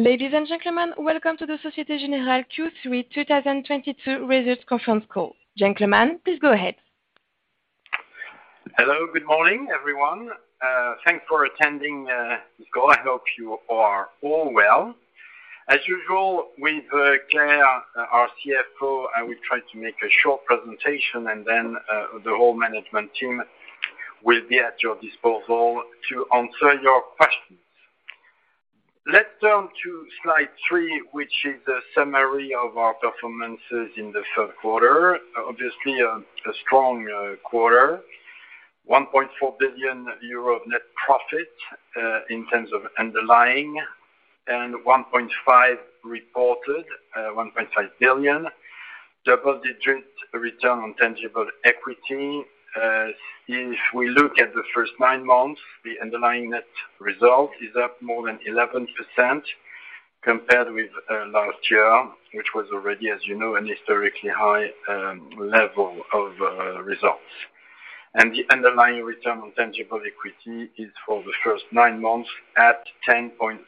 Ladies and gentlemen, welcome to the Société Générale Q3 2022 Results Conference Call. Gentlemen, please go ahead. Hello. Good morning, everyone. Thanks for attending this call. I hope you are all well. As usual, with Claire, our CFO, I will try to make a short presentation, and then the whole management team will be at your disposal to answer your questions. Let's turn to slide 3, which is the summary of our performances in the third quarter. Obviously a strong quarter. 1.4 billion euro of net profit in terms of underlying, and 1.5 billion reported. Double-digit return on tangible equity. If we look at the first nine months, the underlying net result is up more than 11% compared with last year, which was already, as you know, an historically high level of results. The underlying return on tangible equity is for the first nine months at 10.4%.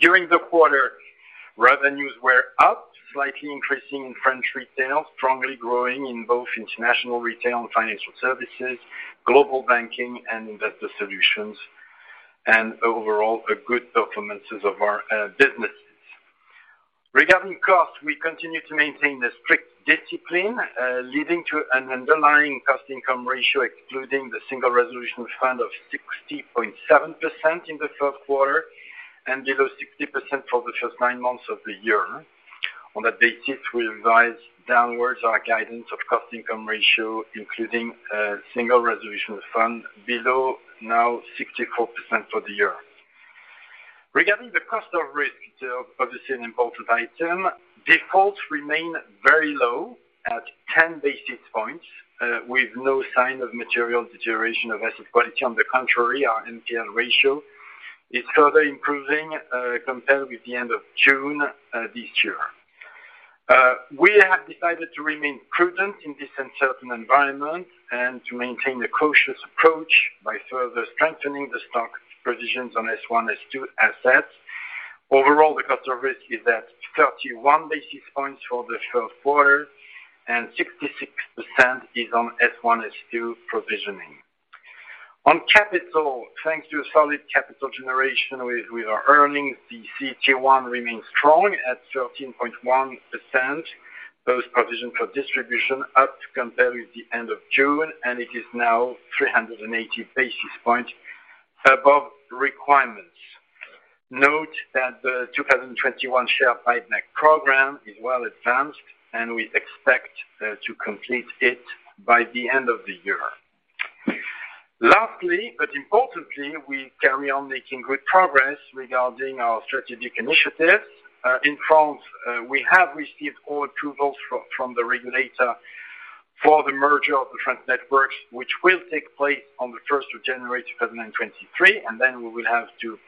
During the quarter, revenues were up, slightly increasing in French Retail Banking, strongly growing in both International Retail Banking and Financial Services, Global Banking and Investor Solutions, and overall, a good performances of our businesses. Regarding costs, we continue to maintain the strict discipline, leading to an underlying cost income ratio, excluding the Single Resolution Fund of 60.7% in the third quarter and below 60% for the first nine months of the year. On that basis, we revised downwards our guidance of cost income ratio, including Single Resolution Fund now below 64% for the year. Regarding the cost of risk, obviously an important item, defaults remain very low at 10 basis points, with no sign of material deterioration of asset quality. On the contrary, our NPL ratio is further improving, compared with the end of June this year. We have decided to remain prudent in this uncertain environment and to maintain a cautious approach by further strengthening the stock provisions on S1/S2 assets. Overall, the cost of risk is at 31 basis points for the third quarter, and 66% is on S1/S2 provisioning. On capital, thanks to a solid capital generation with our earnings, the CET1 remains strong at 13.1%, post provision for distribution, up compared with the end of June, and it is now 380 basis points above requirements. Note that the 2021 share buyback program is well advanced, and we expect to complete it by the end of the year. Lastly, but importantly, we carry on making good progress regarding our strategic initiatives. In France, we have received all approvals from the regulator for the merger of the French networks, which will take place on the 1st of January 2023, and then we will have to,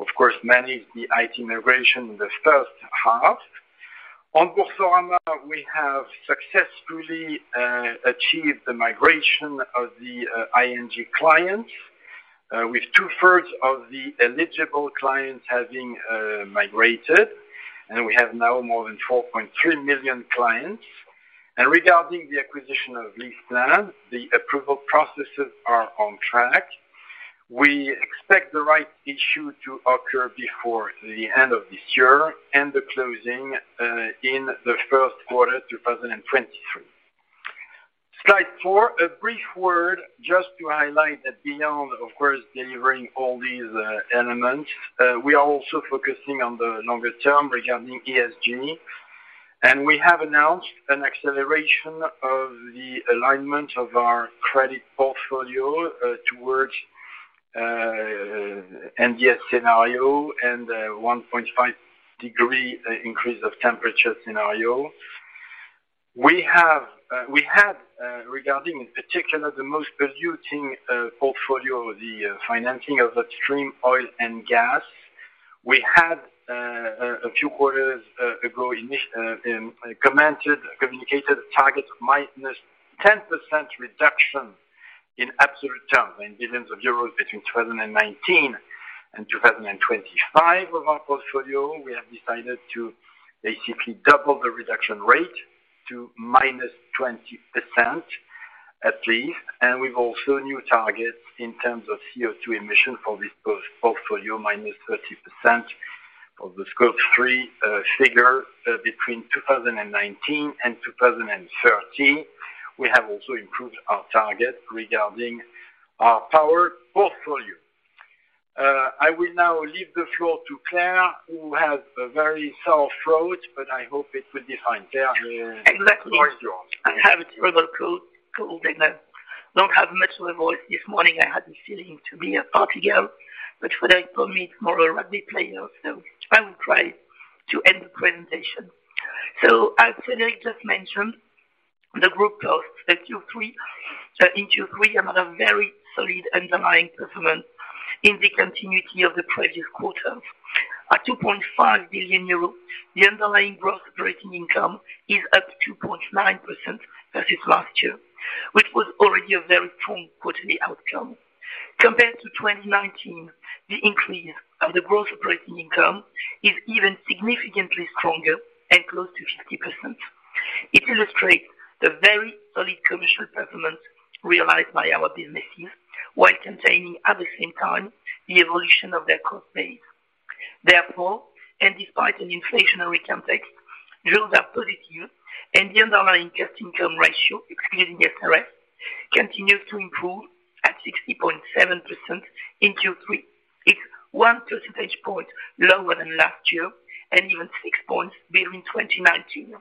of course, manage the IT migration in the first half. On Boursorama, we have successfully achieved the migration of the ING clients with 2/3 of the eligible clients having migrated, and we have now more than 4.3 million clients. Regarding the acquisition of LeasePlan, the approval processes are on track. We expect the rights issue to occur before the end of this year and the closing in the first quarter 2023. Slide 4. A brief word just to highlight that beyond, of course, delivering all these elements, we are also focusing on the longer term regarding ESG. We have announced an acceleration of the alignment of our credit portfolio towards NZE scenario and 1.5-degree increase in temperature scenario. We had regarding in particular the most polluting portfolio, the financing of upstream oil and gas. We had a few quarters ago commented, communicated a target of -10% reduction in absolute terms, in billions of euros between 2019 and 2025 of our portfolio. We have decided to basically double the reduction rate to -20% at least. We've also a new target in terms of CO2 emission for this portfolio, -30% of the Scope 3 figure, between 2019 and 2030. We have also improved our target regarding our power portfolio. I will now leave the floor to Claire, who has a very sore throat, but I hope it will be fine. Claire, the floor is yours. Exactly. I have terrible cold, and I don't have much of a voice this morning. I had the feeling to be a party girl, but for me, tomorrow rugby player, so I will try to end the presentation. As Frédéric just mentioned, in Q3, another very solid underlying performance in the continuity of the previous quarters. At 2.5 billion euro, the underlying group operating income is up 2.9% versus last year. Which was already a very strong quarterly outcome. Compared to 2019, the increase of the gross operating income is even significantly stronger and close to 50%. It illustrates the very solid commercial performance realized by our businesses, while containing, at the same time, the evolution of their cost base. Therefore, despite an inflationary context, those are positive, and the underlying cost income ratio, excluding SRF, continues to improve at 60.7% in Q3. It's 1 percentage point lower than last year and even 6 points below in 2019.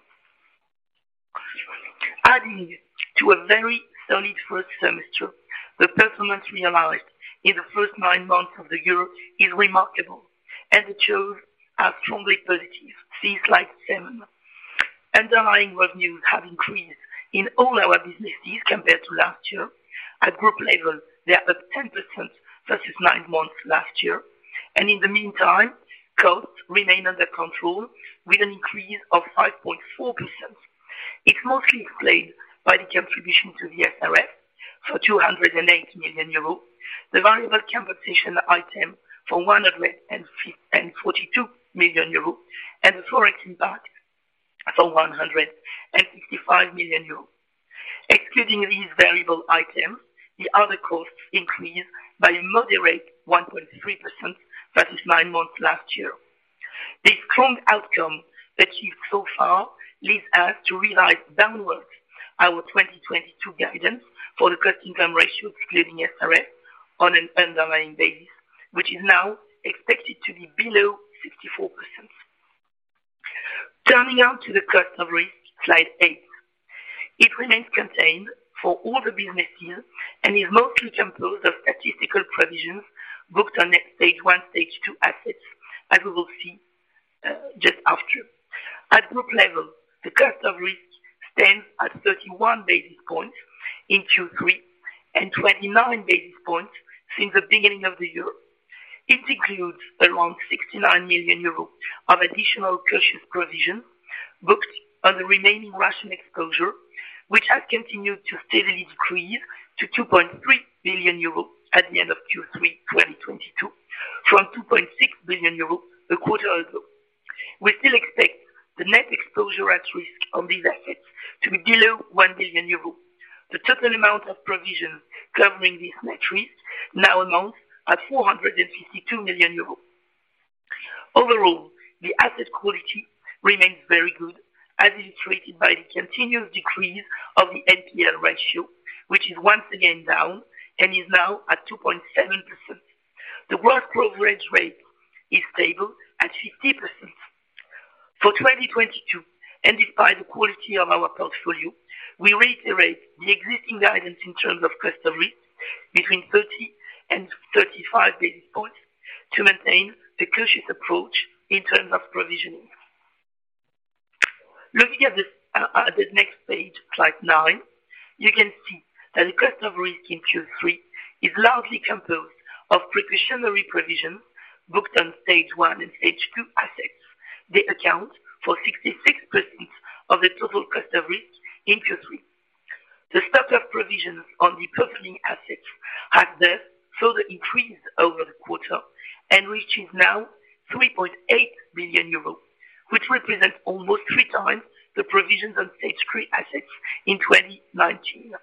Adding to a very solid first semester, the performance realized in the first nine months of the year is remarkable, and the shows are strongly positive. See Slide 7. Underlying revenues have increased in all our businesses compared to last year. At group level, they are at 10% versus nine months last year. In the meantime, costs remain under control with an increase of 5.4%. It's mostly explained by the contribution to the SRF for 280 million euros, the variable compensation item for 142 million euros, and the Forex impact for 165 million euros. Excluding these variable items, the other costs increased by a moderate 1.3% versus nine months last year. The strong outcome achieved so far leads us to revise downwards our 2022 guidance for the cost income ratio, excluding SRF, on an underlying basis, which is now expected to be below 64%. Turning to the cost of risk, Slide 8. It remains contained for all the businesses and is mostly composed of statistical provisions booked on Stage 1, Stage 2 assets, as we will see, just after. At group level, the cost of risk stands at 31 basis points in Q3, and 29 basis points since the beginning of the year. It includes around 69 million euros of additional cautious provision booked on the remaining Russian exposure, which has continued to steadily decrease to 2.3 billion euros at the end of Q3 2022 from 2.6 billion euros a quarter ago. We still expect the net exposure at risk on these assets to be below 1 billion euros. The total amount of provisions covering this net risk now amounts at 452 million euros. Overall, the asset quality remains very good, as illustrated by the continuous decrease of the NPL ratio, which is once again down and is now at 2.7%. The gross coverage rate is stable at 50%. For 2022, despite the quality of our portfolio, we reiterate the existing guidance in terms of cost of risk between 30 and 35 basis points to maintain the cautious approach in terms of provisioning. Looking at the next page, slide 9, you can see that the cost of risk in Q3 is largely composed of precautionary provisions booked on Stage 1 and Stage 2 assets. They account for 66% of the total cost of risk in Q3. The stock of provisions on defaulting assets has, thus, further increased over the quarter and reaches now 3.8 billion euros, which represents almost 3x the provisions on Stage 3 assets in 2019.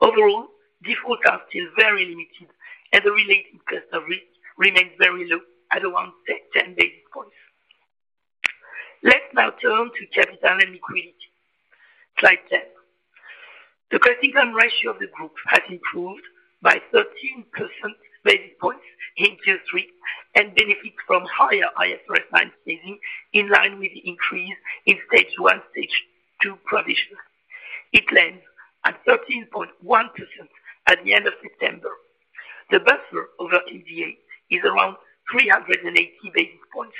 Overall, defaults are still very limited, and the related cost of risk remains very low at around 10 basis points. Let's now turn to capital and liquidity. Slide 10. The cost income ratio of the group has improved by 13 percentage points in Q3 and benefits from higher IT time saving in line with the increase in Stage 1, Stage 2 provisions. It lands at 13.1% at the end of September. The buffer over MDA is around 380 basis points.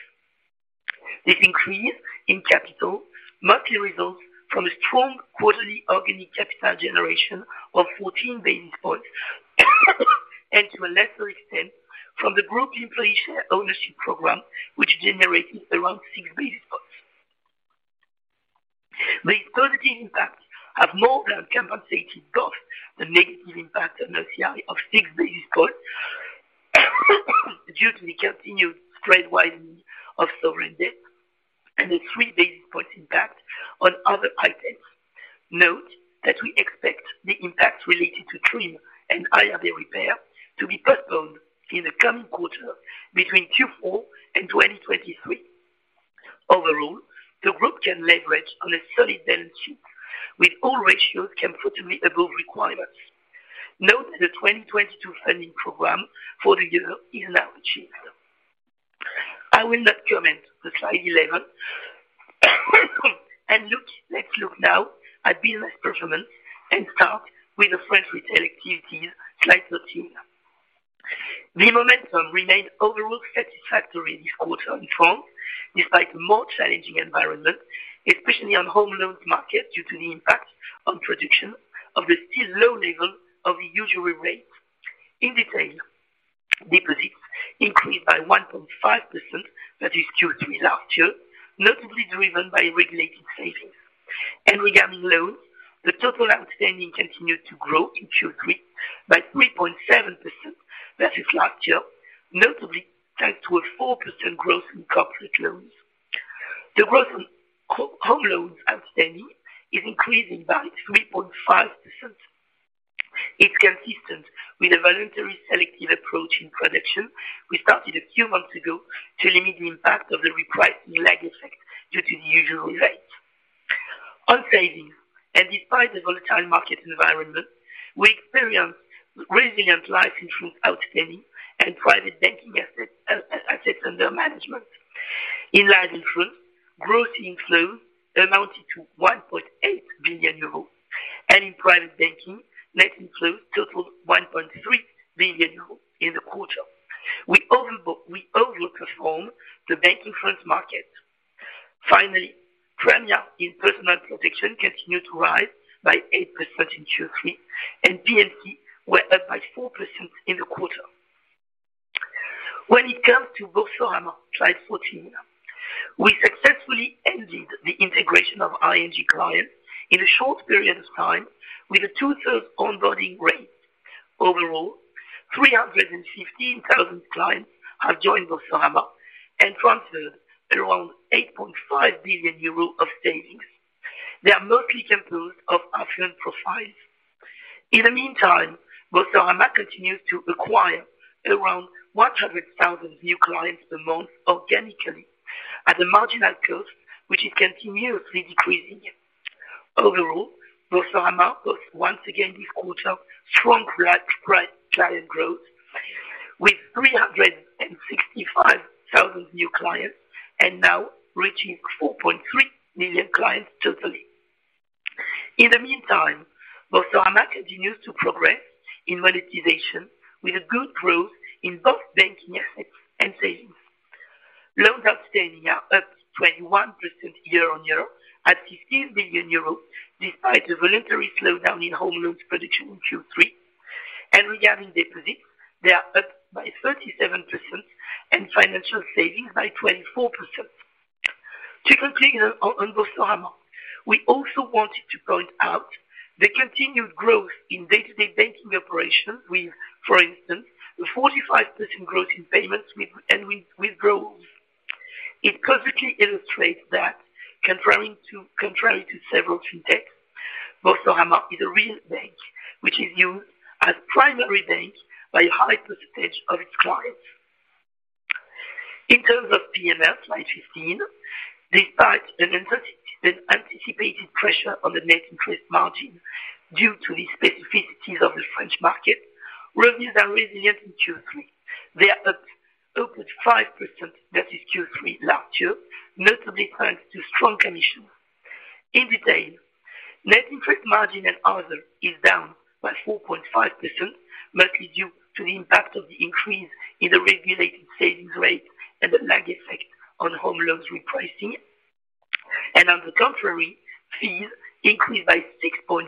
This increase in capital mostly results from a strong quarterly organic capital generation of 14 basis points and to a lesser extent, from the group employee share ownership program, which generated around 6 basis points. The positive impacts have more than compensated both the negative impact on the CI of 6 basis points due to the continued spread widening of sovereign debt and a 3 basis points impact on other items. Note that we expect the impact related to TRIM and IRB repair to be postponed in the coming quarter between Q4 and 2023. Overall, the group can leverage on a solid balance sheet with all ratios comfortably above requirements. Note that the 2022 funding program for the year is now achieved. I will not comment the slide 11. Look, let's look now at business performance and start with the French retail activities, slide 13. The momentum remained overall satisfactory this quarter in France, despite more challenging environment, especially on home loans market, due to the impact on production of the still low level of usury rates. In detail, by 1.5% that is Q3 last year, notably driven by regulated savings. Regarding loans, the total outstanding continued to grow in Q3 by 3.7% versus last year, notably thanks to a 4% growth in corporate loans. The growth on home loans outstanding is increasing by 3.5%. It's consistent with a voluntary selective approach in production we started a few months ago to limit the impact of the repricing lag effect due to the usury rate. On savings, and despite the volatile market environment, we experienced resilient life insurance outstanding and private banking assets under management. In life insurance, gross inflows amounted to 1.8 billion euros, and in private banking, net inflows totaled 1.3 billion euros in the quarter. We over-performed the banking funds market. Finally, premium in personal protection continued to rise by 8% in Q3, and P&C were up by 4% in the quarter. When it comes to Boursorama, slide 14. We successfully ended the integration of ING clients in a short period of time with a 2/3 onboarding rate. Overall, 315,000 clients have joined Boursorama and funded around 8.5 billion euro of savings. They are mostly composed of affluent profiles. In the meantime, Boursorama continues to acquire around 100,000 new clients a month organically at a marginal cost, which is continuously decreasing. Overall, Boursorama posts once again this quarter strong client growth with 365,000 new clients and now reaching 4.3 million clients totally. In the meantime, Boursorama continues to progress in monetization with a good growth in both banking assets and savings. Loans outstanding are up 21% year-on-year at 15 billion euros, despite a voluntary slowdown in home loans production in Q3. Regarding deposits, they are up by 37% and financial savings by 24%. To conclude on Boursorama, we also wanted to point out the continued growth in day-to-day banking operations with, for instance, a 45% growth in payments and withdrawals. It perfectly illustrates that contrary to several fintech, Boursorama is a real bank, which is used as primary bank by a high percentage of its clients. In terms of P&L, slide 15, despite an anticipated pressure on the net interest margin due to the specificities of the French market, revenues are resilient in Q3. They are up at 5%, that is Q3 last year, notably thanks to strong commission. In retail, net interest margin and other is down by 4.5%, mostly due to the impact of the increase in the regulated savings rate and the lag effect on home loans repricing. On the contrary, fees increased by 6.5%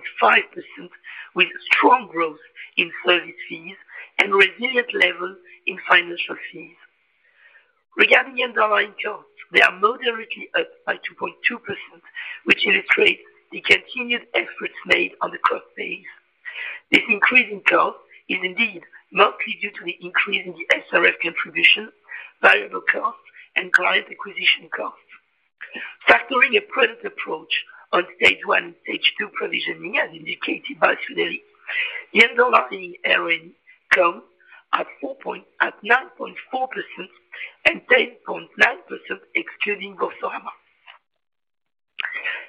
with strong growth in service fees and resilient levels in financial fees. Regarding the underlying costs, they are moderately up by 2.2%, which illustrates the continued efforts made on the cost base. This increase in cost is indeed mostly due to the increase in the SRF contribution, variable cost, and client acquisition cost. Factoring a prudent approach on Stage 1, Stage 2 provisioning, as indicated by Frédéric Oudéa, the underlying ROTE come at 9.4% and 10.9% excluding Boursorama.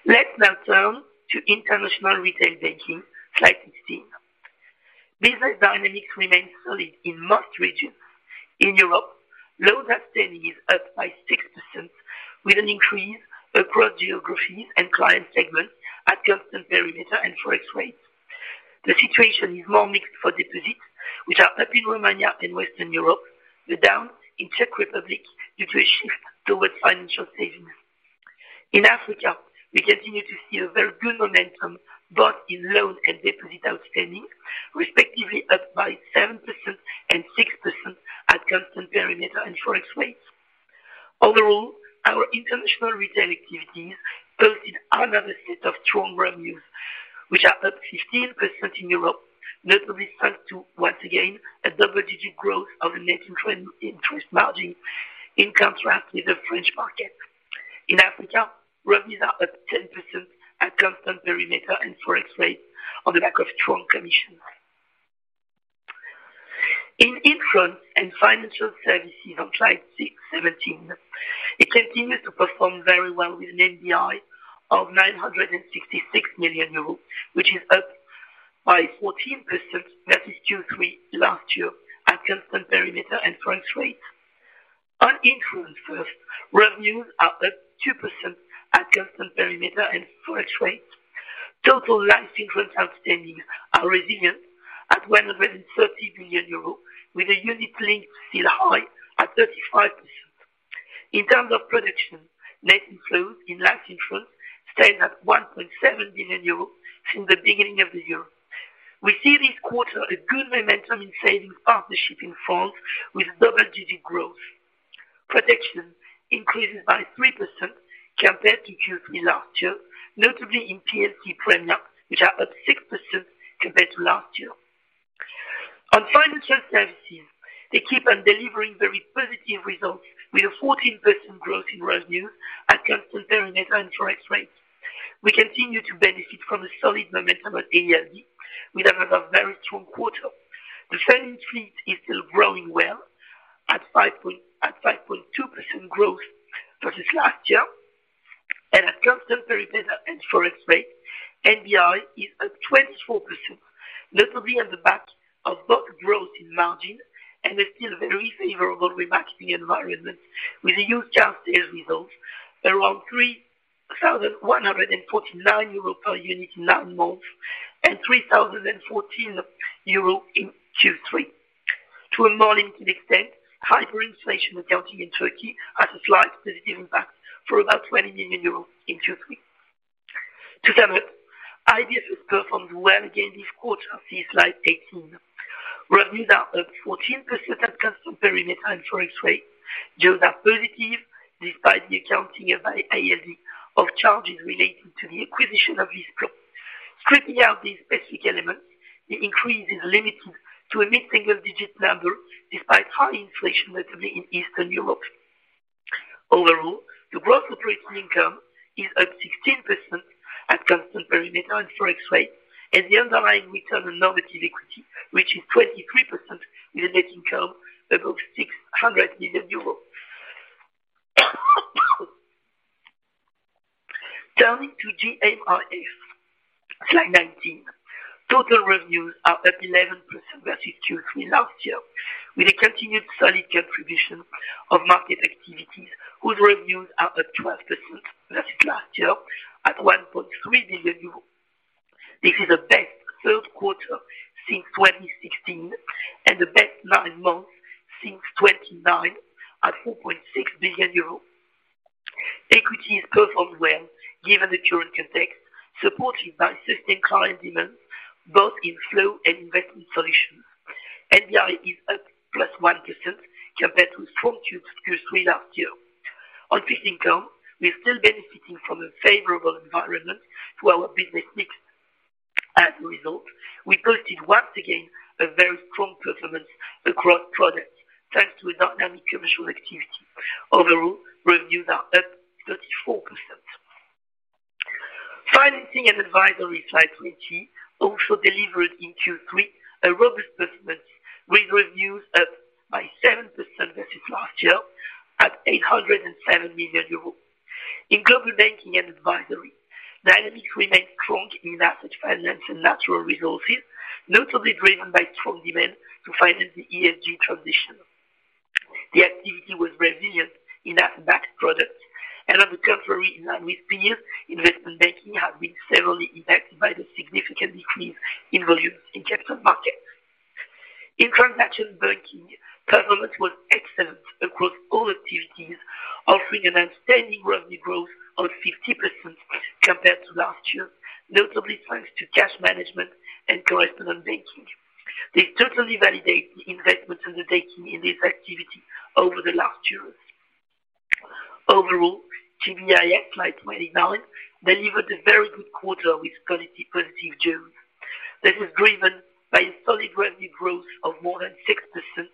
Let's now turn to International Retail Banking, slide 16. Business dynamics remain solid in most regions. In Europe, loans outstanding is up by 6% with an increase across geographies and client segments at constant perimeter and Forex rates. The situation is more mixed for deposits, which are up in Romania and Western Europe, but down in Czech Republic due to a shift towards financial savings. In Africa, we continue to see a very good momentum both in loan and deposit outstanding, respectively up by 7% and 6% at constant perimeter and Forex rates. Overall, our international retail activities posted another set of strong revenues, which are up 15% in Europe, notably thanks to, once again, a double-digit growth of the net interest margin, in contrast with the French market. In Africa, revenues are up 10% at constant perimeter and Forex rates on the back of strong commission. In insurance and financial services on slide 17, it continued to perform very well with an NBI of EUR 966 million, which is up by 14%, that is Q3 last year at constant perimeter and French rates. On insurance first, revenues are up 2% at constant perimeter and Forex rates. Total life insurance outstanding are resilient at 130 billion euro, with the unit link still high at 35%. In terms of production, net inflows in life insurance stayed at 1.7 billion euros since the beginning of the year. We see this quarter a good momentum in savings partnership in France with double-digit growth. Production increases by 3% compared to Q3 last year, notably in P&C premium, which are up 6% compared to last year. On Financial Services, they keep on delivering very positive results with a 14% growth in revenue at constant perimeter and Forex rate. We continue to benefit from a solid momentum at ALD with another very strong quarter. The selling fleet is still growing well at 5.2% growth versus last year and at constant perimeter and Forex rate, NBI is at 24%, notably on the back of both growth in margin and a still very favorable remarketing environment with a huge car sales result around 3,149 euro per unit in nine months and 3,014 euro in Q3. To a more limited extent, hyperinflation accounting in Turkey has a slight positive impact for about 20 million euros in Q3. To sum up, IBFS has performed well again this quarter, see slide 18. Revenues are up 14% at constant perimeter and Forex rate. Yields are positive despite the accounting of ALD of charges related to the acquisition of LeasePlan. Stripping out these specific elements, the increase is limited to a mid-single-digit number, despite high inflation, notably in Eastern Europe. Overall, the gross operating income is up 16% at constant perimeter and Forex rate, and the underlying return on normative equity, which is 23% with a net income above 600 million euros. Turning to GMRF, slide 19. Total revenues are up 11% versus Q3 last year, with a continued solid contribution of market activities, whose revenues are up 12% versus last year at 1.3 billion euros. This is the best third quarter since 2016 and the best nine months since 2019 at 4.6 billion euros. Equity has performed well given the current context, supported by sustained client demand both in flow and investment solution. NBI is up +1% compared to strong Q3 last year. On fixed income, we're still benefiting from a favorable environment to our business mix. As a result, we posted once again a very strong performance across products, thanks to a dynamic commercial activity. Overall, revenues are up 34%. Financing and advisory, slide 20, also delivered in Q3 a robust performance with revenues up by 7% versus last year at 807 million euros. In global banking and advisory, dynamics remained strong in asset finance and natural resources, notably driven by strong demand to finance the ESG transition. The activity was resilient in asset-backed products. On the contrary, in line with peers, investment banking has been severely impacted by the significant decrease in volumes in capital markets. In transaction banking, performance was excellent across all activities, offering an outstanding revenue growth of 50% compared to last year, notably thanks to cash management and correspondent banking. They totally validate the investments undertaking in this activity over the last years. Overall, GBIS, slide 29, delivered a very good quarter with quality positive yield. This is driven by a solid revenue growth of more than 6%,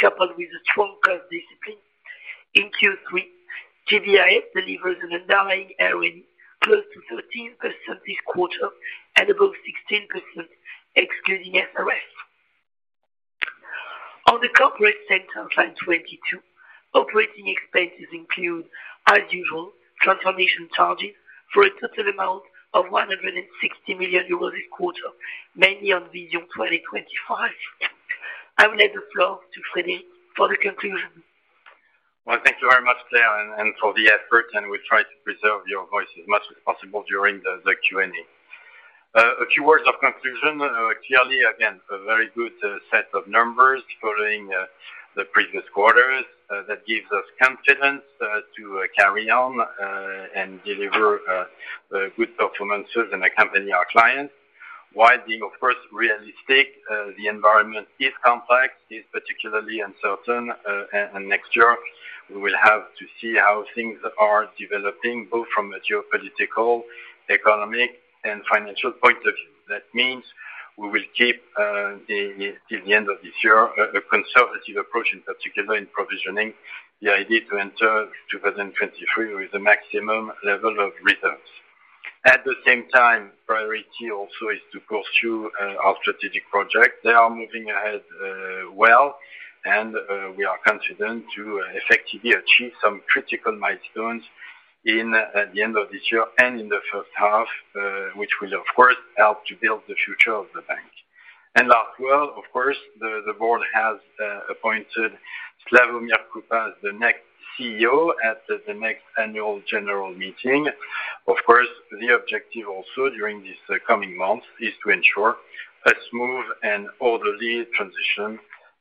coupled with a strong cost discipline. In Q3, GBIS delivers an underlying ROE close to 13% this quarter and above 16% excluding FRS. On the corporate center, slide 22, operating expenses include, as usual, transformation charges for a total amount of 160 million euros this quarter, mainly on Vision 2025. I will hand the floor to Frédéric Oudéa for the conclusion. Well, thank you very much, Claire, and for the effort, and we'll try to preserve your voice as much as possible during the Q&A. A few words of conclusion. Clearly, again, a very good set of numbers following the previous quarters that gives us confidence to carry on and deliver good performances and accompany our clients while being, of course, realistic. The environment is complex, is particularly uncertain, and next year we will have to see how things are developing, both from a geopolitical, economic, and financial point of view. That means we will keep till the end of this year a conservative approach, in particular in provisioning, the idea to enter 2023 with the maximum level of reserves. At the same time, priority also is to pursue our strategic projects. They are moving ahead, we are confident to effectively achieve some critical milestones at the end of this year and in the first half, which will of course help to build the future of the bank. Last word, of course, the board has appointed Slawomir Krupa as the next CEO at the next annual general meeting. Of course, the objective also during these coming months is to ensure a smooth and orderly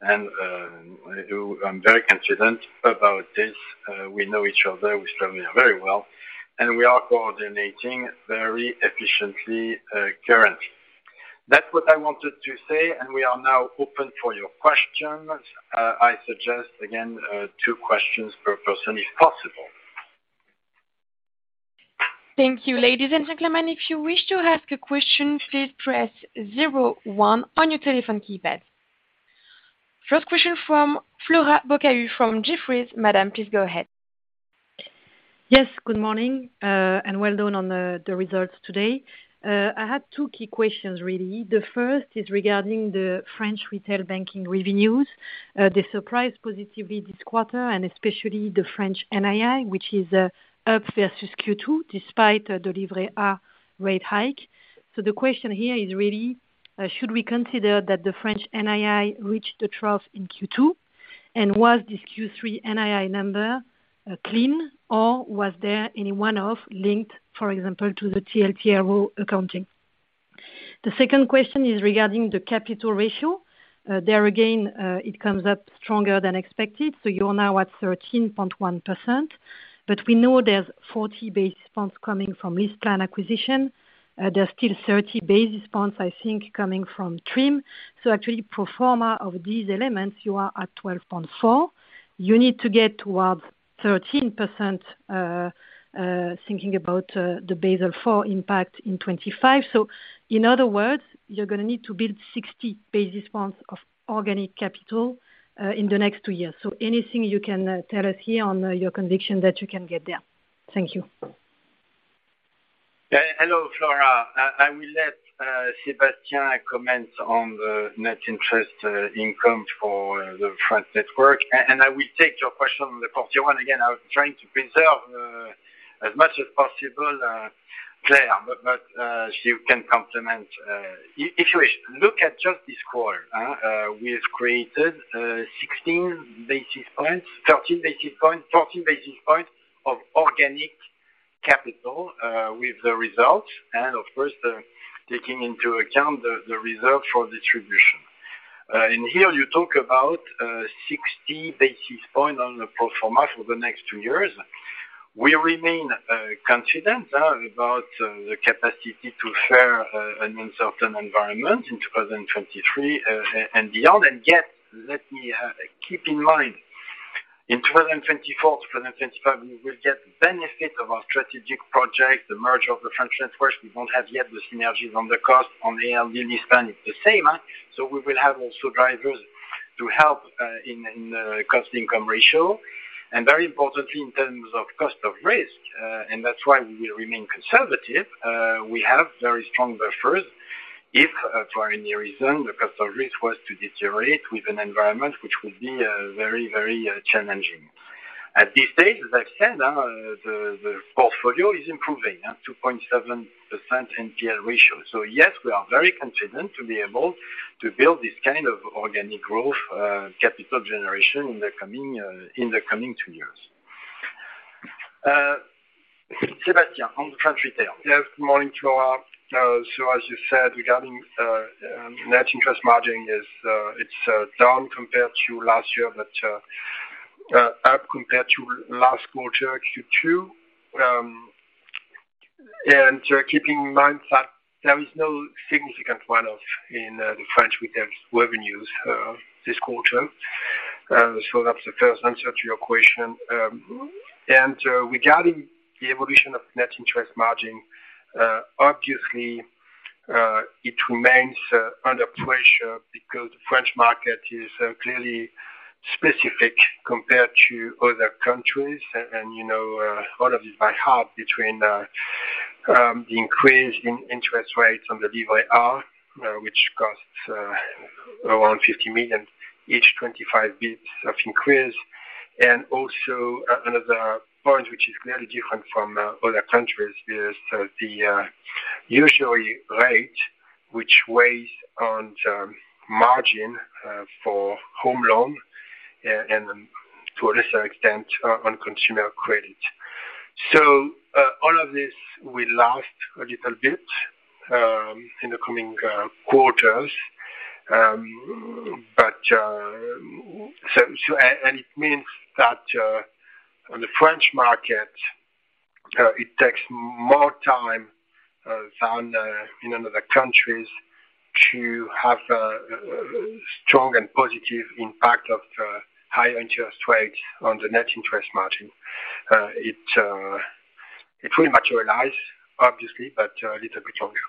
transition. I'm very confident about this. We know each other very well, and we are coordinating very efficiently currently. That's what I wanted to say, and we are now open for your questions. I suggest again, two questions per person, if possible. Thank you. Ladies and gentlemen, if you wish to ask a question, please press zero one on your telephone keypad. First question from Flora Bocahut from Jefferies. Madam, please go ahead. Yes, good morning, and well done on the results today. I had two key questions really. The first is regarding the French retail banking revenues. They surprised positively this quarter, and especially the French NII, which is up versus Q2 despite the DFR rate hike. The question here is really, should we consider that the French NII reached the trough in Q2? Was this Q3 NII number clean, or was there any one-off linked, for example, to the TLTRO accounting? The second question is regarding the capital ratio. There again, it comes up stronger than expected, so you're now at 13.1%. We know there's 40 basis points coming from risk plan acquisition. There's still 30 basis points, I think, coming from TRIM. Actually, pro forma of these elements, you are at 12.4%. You need to get towards 13%, thinking about the Basel IV impact in 2025. In other words, you're gonna need to build 60 basis points of organic capital in the next two years. Anything you can tell us here on your conviction that you can get there. Thank you. Hello, Flora. I will let Sébastien comment on the net interest income for the French network, and I will take your question on the 41. Again, I was trying to preserve as much as possible, Claire, but she can complement if you wish. Look at just this quarter, we have created 16 basis points, 13 basis points, 14 basis points of organic capital with the results and of course, taking into account the reserve for distribution. Here you talk about 60 basis points on the pro forma for the next two years. We remain confident about the capacity to fare an uncertain environment in 2023 and beyond. Yet, let me keep in mind, in 2024, 2025, we will get benefit of our strategic project, the merger of the French networks. We won't have yet the synergies on the cost on ALD and Spain, it's the same. We will have also drivers to help in cost income ratio, and very importantly, in terms of cost of risk, and that's why we will remain conservative. We have very strong buffers, if for any reason the cost of risk was to deteriorate with an environment which would be very challenging. At this stage, as I've said, the portfolio is improving, 2.7% NPL ratio. Yes, we are very confident to be able to build this kind of organic growth, capital generation in the coming two years. Sébastien, on the French retail. Yes. Morning, Flora. So as you said, regarding net interest margin, it's down compared to last year, but up compared to last quarter, Q2. Keeping in mind that there is no significant one-off in the French retail revenues this quarter. So that's the first answer to your question. Regarding the evolution of net interest margin, obviously it remains under pressure because the French market is clearly specific compared to other countries. You know, the increase in interest rates on the Livret A, which costs around 50 million each 25 basis points of increase. Another point, which is clearly different from other countries, is the usury rate which weighs on the margin for home loan and, to a lesser extent, on consumer credit. All of this will last a little bit in the coming quarters. It means that, on the French market, it takes more time than in other countries to have a strong and positive impact of higher interest rates on the net interest margin. It will materialize, obviously, but a little bit longer.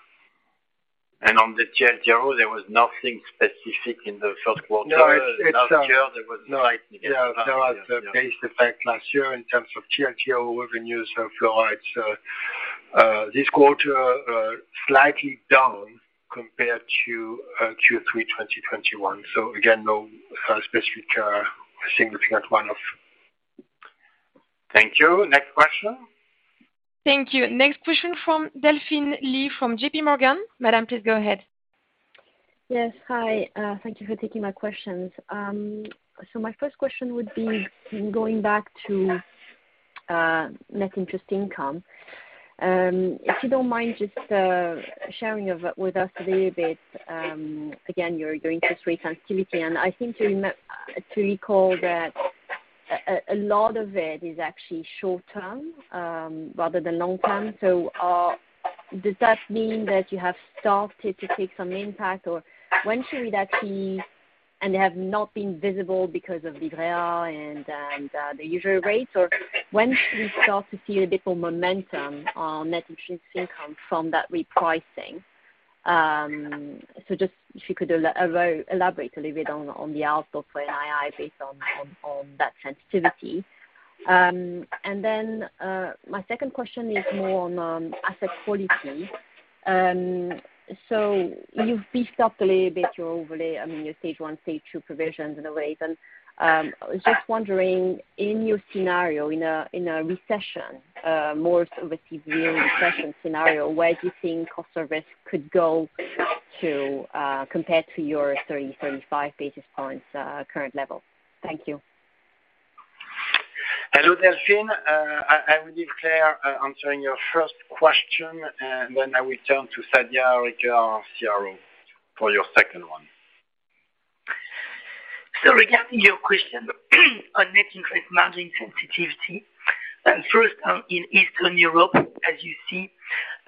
On the TLTRO, there was nothing specific in the first quarter. No. Last year, there was nothing. Yeah. There was the base effect last year in terms of TLTRO revenues for rights. This quarter, slightly down compared to Q3 2021. Again, no specific significant one-off. Thank you. Next question? Thank you. Next question from Delphine Lee from JPMorgan. Madam, please go ahead. Yes. Hi, thank you for taking my questions. My first question would be going back to net interest income. If you don't mind just sharing with us a little bit, again, your interest rate sensitivity, and I seem to recall that a lot of it is actually short-term, rather than long-term. Does that mean that you have started to take some impact, or when should we actually. They have not been visible because of the real and the usual rates, or when should we start to see a bit more momentum on net interest income from that repricing? Just if you could elaborate a little bit on the outlook for NII based on that sensitivity. My second question is more on asset quality. You've beefed up a little bit your overlay, I mean, your Stage 1, Stage 2 provisions in a way. I was just wondering, in your scenario, in a recession, more of a severe recession scenario, where do you think cost of risk could go to, compared to your 30-35 basis points current level? Thank you. Hello, Delphine. I will leave Claire answering your first question, and then I will turn to Sadia Ricke, CRO, for your second one. Regarding your question on net interest margin sensitivity, first, in Eastern Europe, as you see,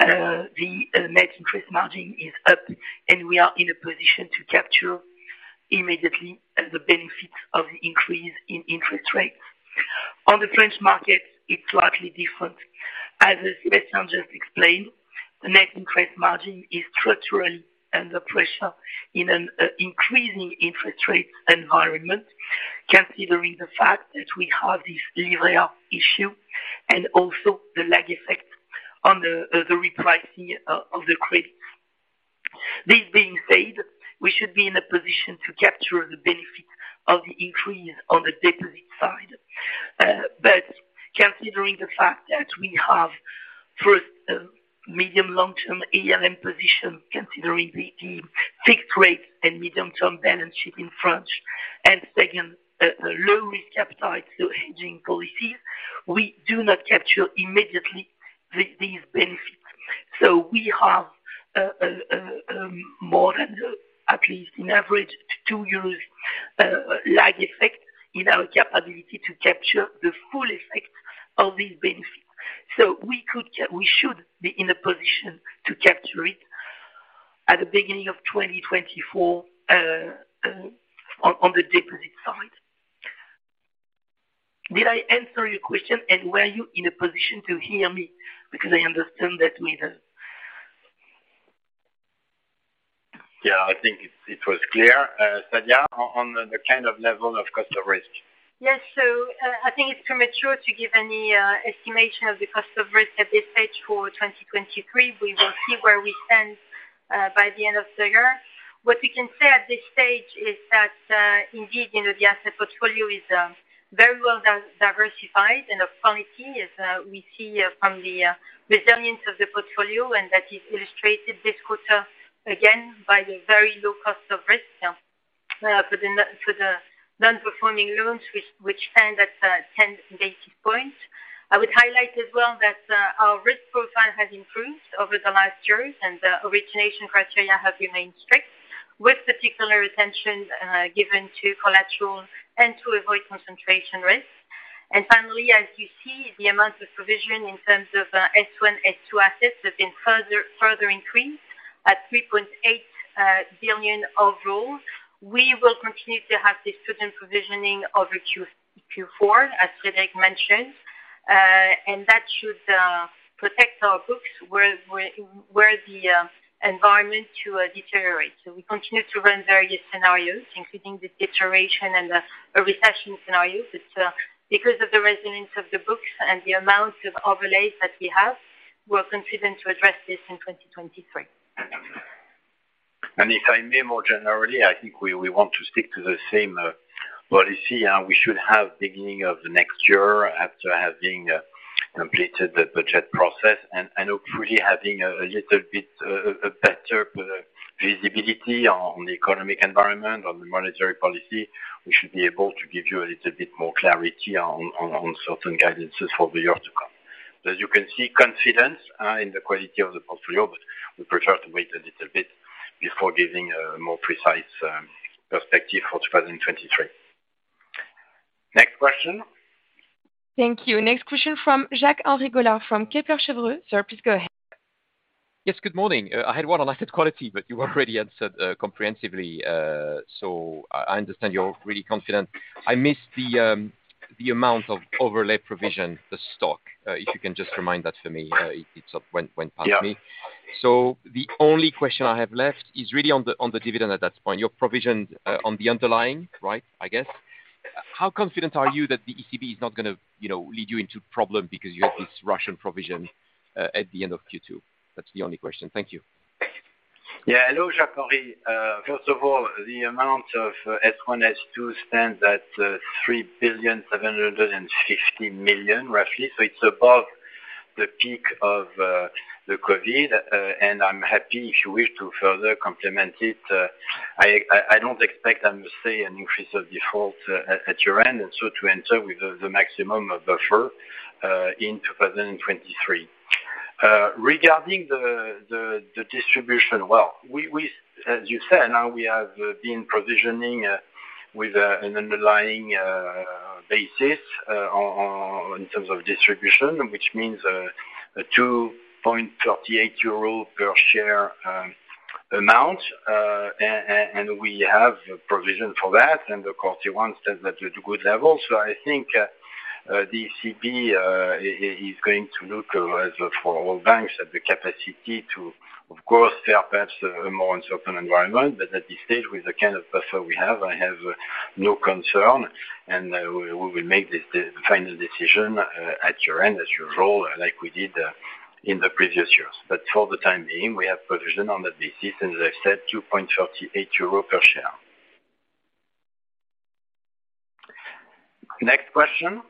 the net interest margin is up, and we are in a position to capture immediately the benefits of the increase in interest rates. On the French market, it's slightly different. As Sébastien just explained, the net interest margin is structurally under pressure in an increasing interest rate environment, considering the fact that we have this Livret issue and also the lag effect on the repricing of the credits. This being said, we should be in a position to capture the benefit of the increase on the deposit side. Considering the fact that we have, first, a medium long-term ALM position, considering the fixed rate and medium-term balance sheet in France, and second, a low recapitalization hedging policy, we do not capture immediately these benefits. We have a more than, at least on average, two years lag effect in our capability to capture the full effect of these benefits. We should be in a position to capture it at the beginning of 2024, on the deposit side. Did I answer your question, and were you in a position to hear me? Because I understand that we have... Yeah, I think it was clear. Sadia, on the kind of level of cost of risk. Yes. I think it's premature to give any estimation of the cost of risk at this stage for 2023. We will see where we stand by the end of the year. What we can say at this stage is that indeed, you know, the asset portfolio is very well diversified and of quality, as we see from the resilience of the portfolio, and that is illustrated this quarter, again, by the very low cost of risk for the non-performing loans which stand at 10 basis points. I would highlight as well that our risk profile has improved over the last years, and the origination criteria have remained strict, with particular attention given to collateral and to avoid concentration risks. Finally, as you see, the amount of provision in terms of S1/S2 assets have been further increased at 3.8 billion overall. We will continue to have this prudent provisioning over Q4, as Frédéric Oudéa mentioned, and that should protect our books where the environment to deteriorate. We continue to run various scenarios, including the deterioration and the recession scenarios. Because of the resilience of the books and the amount of overlays that we have, we're confident to address this in 2023. If I may, more generally, I think we want to stick to the same policy. We should have beginning of the next year after having completed the budget process. Hopefully having a little bit better visibility on the economic environment, on the monetary policy, we should be able to give you a little bit more clarity on certain guidances for the year to come. As you can see, confidence in the quality of the portfolio, but we prefer to wait a little bit before giving a more precise perspective for 2023. Next question? Thank you. Next question from Jacques-Henri Gaulard from Kepler Cheuvreux. Sir, please go ahead. Yes, good morning. I had one on asset quality, but you already answered comprehensively. I understand you're really confident. I missed the amount of overlay provision, the stock, if you can just remind that for me. It sort of went past me. Yeah. The only question I have left is really on the dividend at that point. You're provisioned on the underlying, right? I guess. How confident are you that the ECB is not gonna, you know, lead you into problem because you have this Russian provision at the end of Q2? That's the only question. Thank you. Hello, Jacques-Henri. First of all, the amount of S1/S2 stands at 3.76 billion, roughly. It's above the peak of the COVID. I'm happy if you wish to further comment on it. I don't expect, I must say, an increase in defaults at year-end, and so to enter with the maximum buffer in 2023. Regarding the distribution, well, we, as you said, now we have been provisioning with an underlying basis in terms of distribution, which means a 2.38 euro per share amount. We have provisioned for that, and of course we want to stay at good levels. I think the ECB is going to look, as for all banks, at the capacity to, of course, prepare perhaps a more uncertain environment. At this stage with the kind of buffer we have, I have no concern, and we will make the final decision at year-end, as usual, like we did in the previous years. For the time being, we have provision on the basis, as I said, 2.38 euro per share. Next question?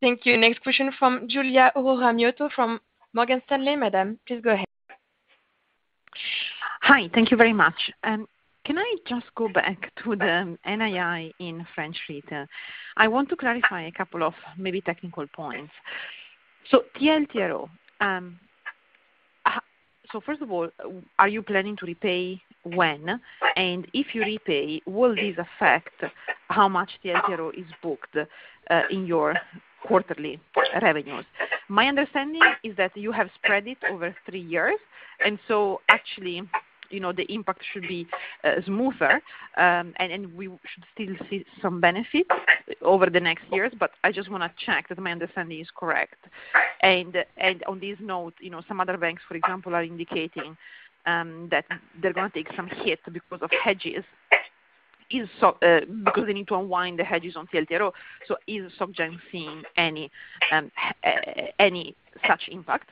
Thank you. Next question from Giulia Aurora Miotto from Morgan Stanley. Madam, please go ahead. Hi, thank you very much. Can I just go back to the NII in French retail? I want to clarify a couple of maybe technical points. TLTRO, first of all, are you planning to repay when? And if you repay, will this affect how much TLTRO is booked in your quarterly revenues? My understanding is that you have spread it over three years, and actually, you know, the impact should be smoother, and we should still see some benefits over the next years, but I just wanna check that my understanding is correct. And on this note, you know, some other banks, for example, are indicating that they're gonna take some hit because of hedges, because they need to unwind the hedges on TLTRO, so is SocGen seeing any such impact?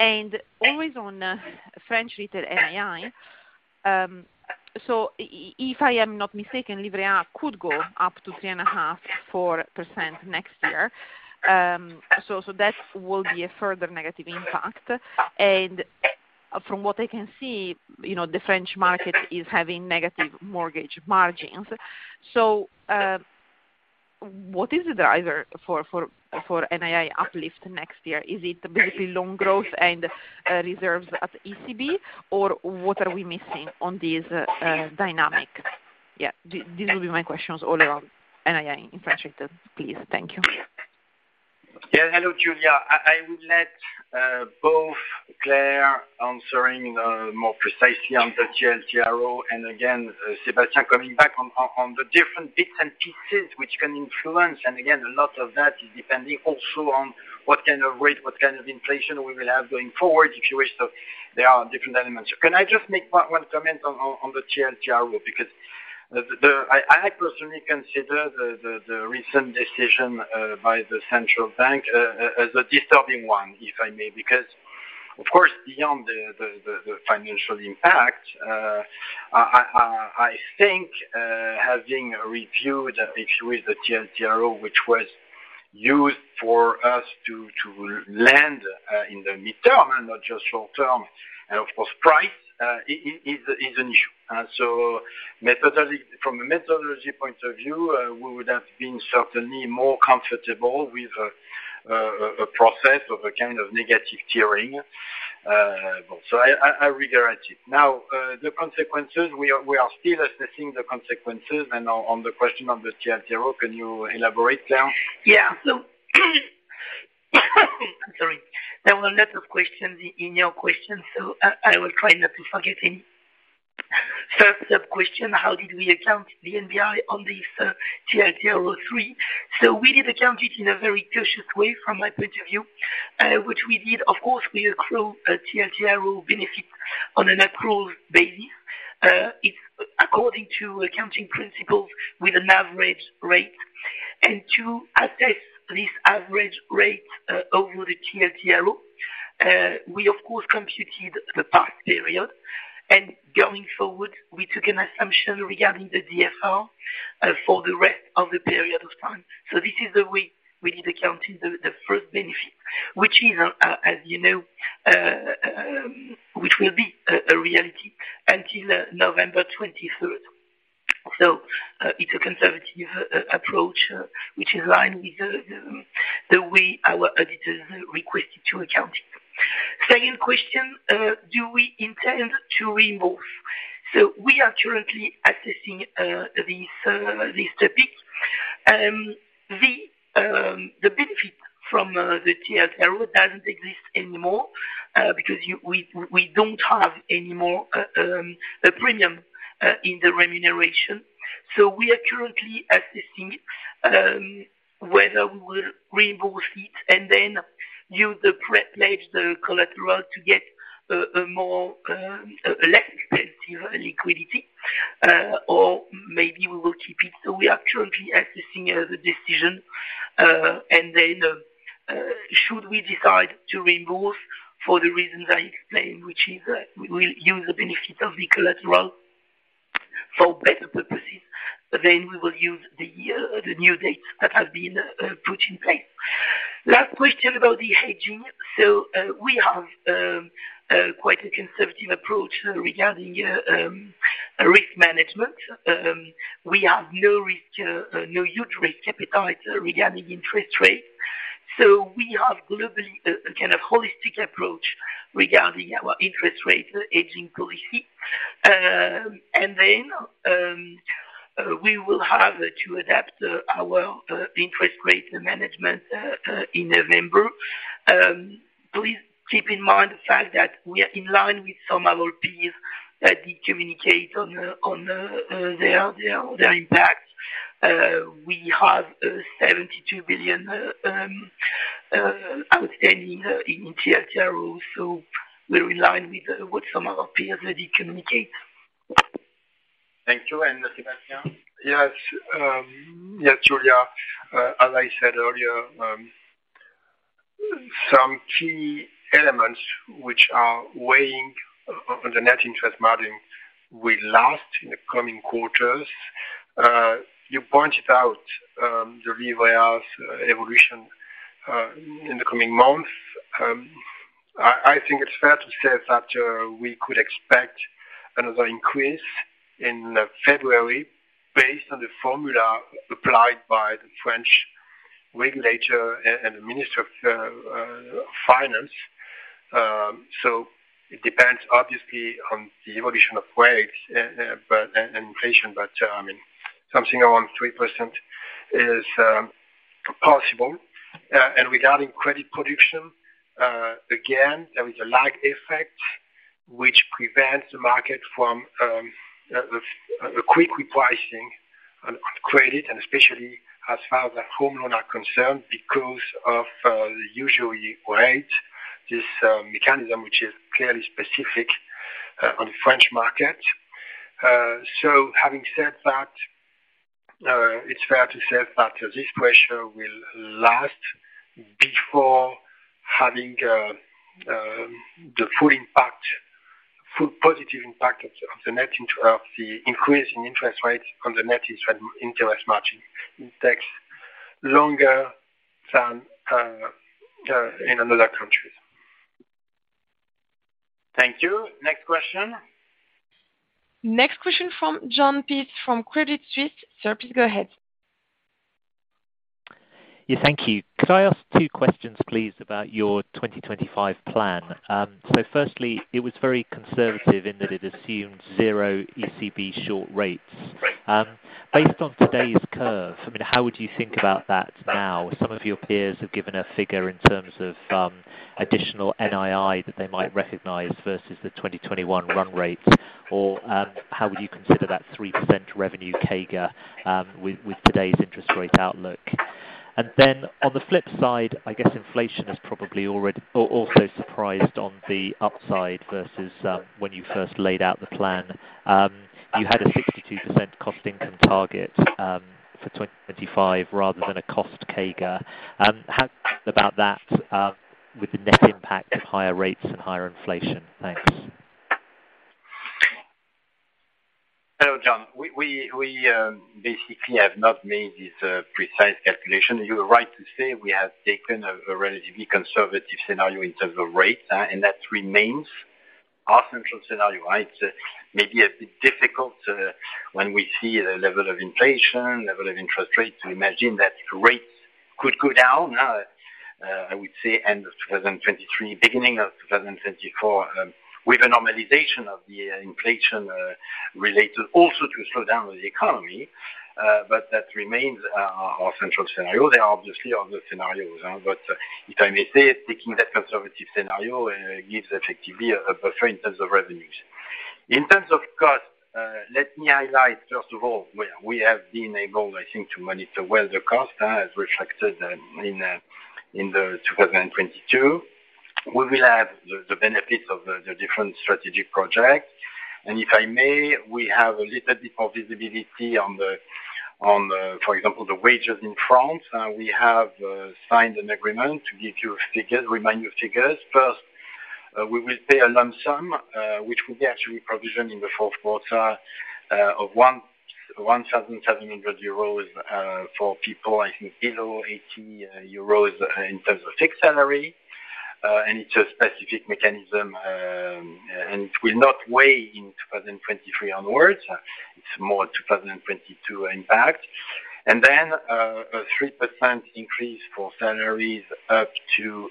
Always on French retail NII, if I am not mistaken, Livret A could go up to 3.5%-4% next year. That will be a further negative impact. From what I can see, the French market is having negative mortgage margins. What is the driver for NII uplift next year? Is it basically loan growth and reserves at ECB, or what are we missing on this dynamic? These will be my questions all around NII in French retail, please. Thank you. Yeah. Hello, Giulia. I would let both Claire answering more precisely on the TLTRO, and again, Sébastien coming back on the different bits and pieces which can influence. A lot of that is depending also on what kind of rate, what kind of inflation we will have going forward, if you wish. There are different elements. Can I just make one comment on the TLTRO? Because I personally consider the recent decision by the central bank as a disturbing one, if I may. Because of course, beyond the financial impact, I think, having reviewed, if you will, the TLTRO, which was used for us to lend in the midterm and not just short term, and of course, price is an issue. From a methodology point of view, we would have been certainly more comfortable with a process of a kind of negative tiering. I regret it. Now, the consequences, we are still assessing the consequences. On the question of the TLTRO, can you elaborate, Claire? There were a lot of questions in your question, so I will try not to forget any. First sub-question, how did we account the NII on this, TLTRO III? We did account it in a very cautious way, from my point of view, which we did. Of course, we accrue a TLTRO benefit on an accrual basis. It's according to accounting principles with an average rate. To assess this average rate, over the TLTRO, we of course computed the past period. Going forward, we took an assumption regarding the DFR, for the rest of the period of time. This is the way we did account the first benefit, which is, as you know, which will be a reality until November 23rd. It's a conservative approach, which is in line with the way our auditors requested to account it. Second question, do we intend to reimburse? We are currently assessing this topic. The benefit from the TLTRO doesn't exist anymore because we don't have any more premium in the remuneration. We are currently assessing whether we will reimburse it and then pledge the collateral to get less expensive liquidity or maybe we will keep it. We are currently assessing the decision and then should we decide to reimburse for the reasons I explained, which is that we will use the benefit of the collateral for better purposes. We will use the year, the new date that has been put in place. Last question about the hedging. We have quite a conservative approach regarding risk management. We have no risk, no huge risk appetite regarding interest rates. We have globally a kind of holistic approach regarding our interest rate hedging policy. We will have to adapt our interest rate management in November. Please keep in mind the fact that we are in line with some of our peers that did communicate on their impact. We have EUR 72 billion outstanding in TLTRO. We're in line with what some of our peers already communicate. Thank you. Sébastien? Yes. Yeah, Giulia, as I said earlier, some key elements which are weighing on the net interest margin will last in the coming quarters. You pointed out the Livret A's evolution in the coming months. I think it's fair to say that we could expect another increase in February based on the formula applied by the French regulator and the Minister of finance. It depends obviously on the evolution of wages and inflation, but I mean, something around 3% is possible. Regarding credit production, again, there is a lag effect which prevents the market from a quick repricing on credit, and especially as far as home loans are concerned because of the usury rate mechanism, which is clearly specific to the French market. Having said that, it's fair to say that this pressure will last before having the full positive impact of the increase in interest rates on the net interest margin. It takes longer than in other countries. Thank you. Next question? Next question from Jon Peace from Credit Suisse. Sir, please go ahead. Yeah, thank you. Could I ask two questions, please, about your 2025 plan? So firstly, it was very conservative in that it assumed zero ECB short rates. Based on today's curve, I mean, how would you think about that now? Some of your peers have given a figure in terms of additional NII that they might recognize versus the 2021 run rates, or how would you consider that 3% revenue CAGR with today's interest rate outlook? Then on the flip side, I guess inflation has probably already or also surprised on the upside versus when you first laid out the plan. You had a 62% cost income target for 2025 rather than a cost CAGR. How about that with the net impact of higher rates and higher inflation? Thanks. Hello, Jon. We basically have not made this precise calculation. You are right to say we have taken a relatively conservative scenario in terms of rate, and that remains our central scenario, right? It's maybe a bit difficult, when we see the level of inflation, level of interest rates, to imagine that rates could go down. I would say end of 2023, beginning of 2024, with a normalization of the inflation, related also to slow down of the economy, but that remains our central scenario. There are obviously other scenarios, but if I may say, taking that conservative scenario, gives effectively a buffer in terms of revenues. In terms of cost, let me highlight, first of all, well, we have been able, I think, to monitor well the cost, as reflected in the 2022. We will have the benefits of the different strategic project. If I may, we have a little bit of visibility on the, for example, the wages in France. We have signed an agreement, to give you figures, remind you of figures. First, we will pay a lump sum, which will be actually provisioned in the fourth quarter, of 1,700 euros, for people, I think, below 80 euros in terms of fixed salary. And it's a specific mechanism, and it will not weigh in 2023 onwards. It's more 2022 impact. A 3% increase for salaries up to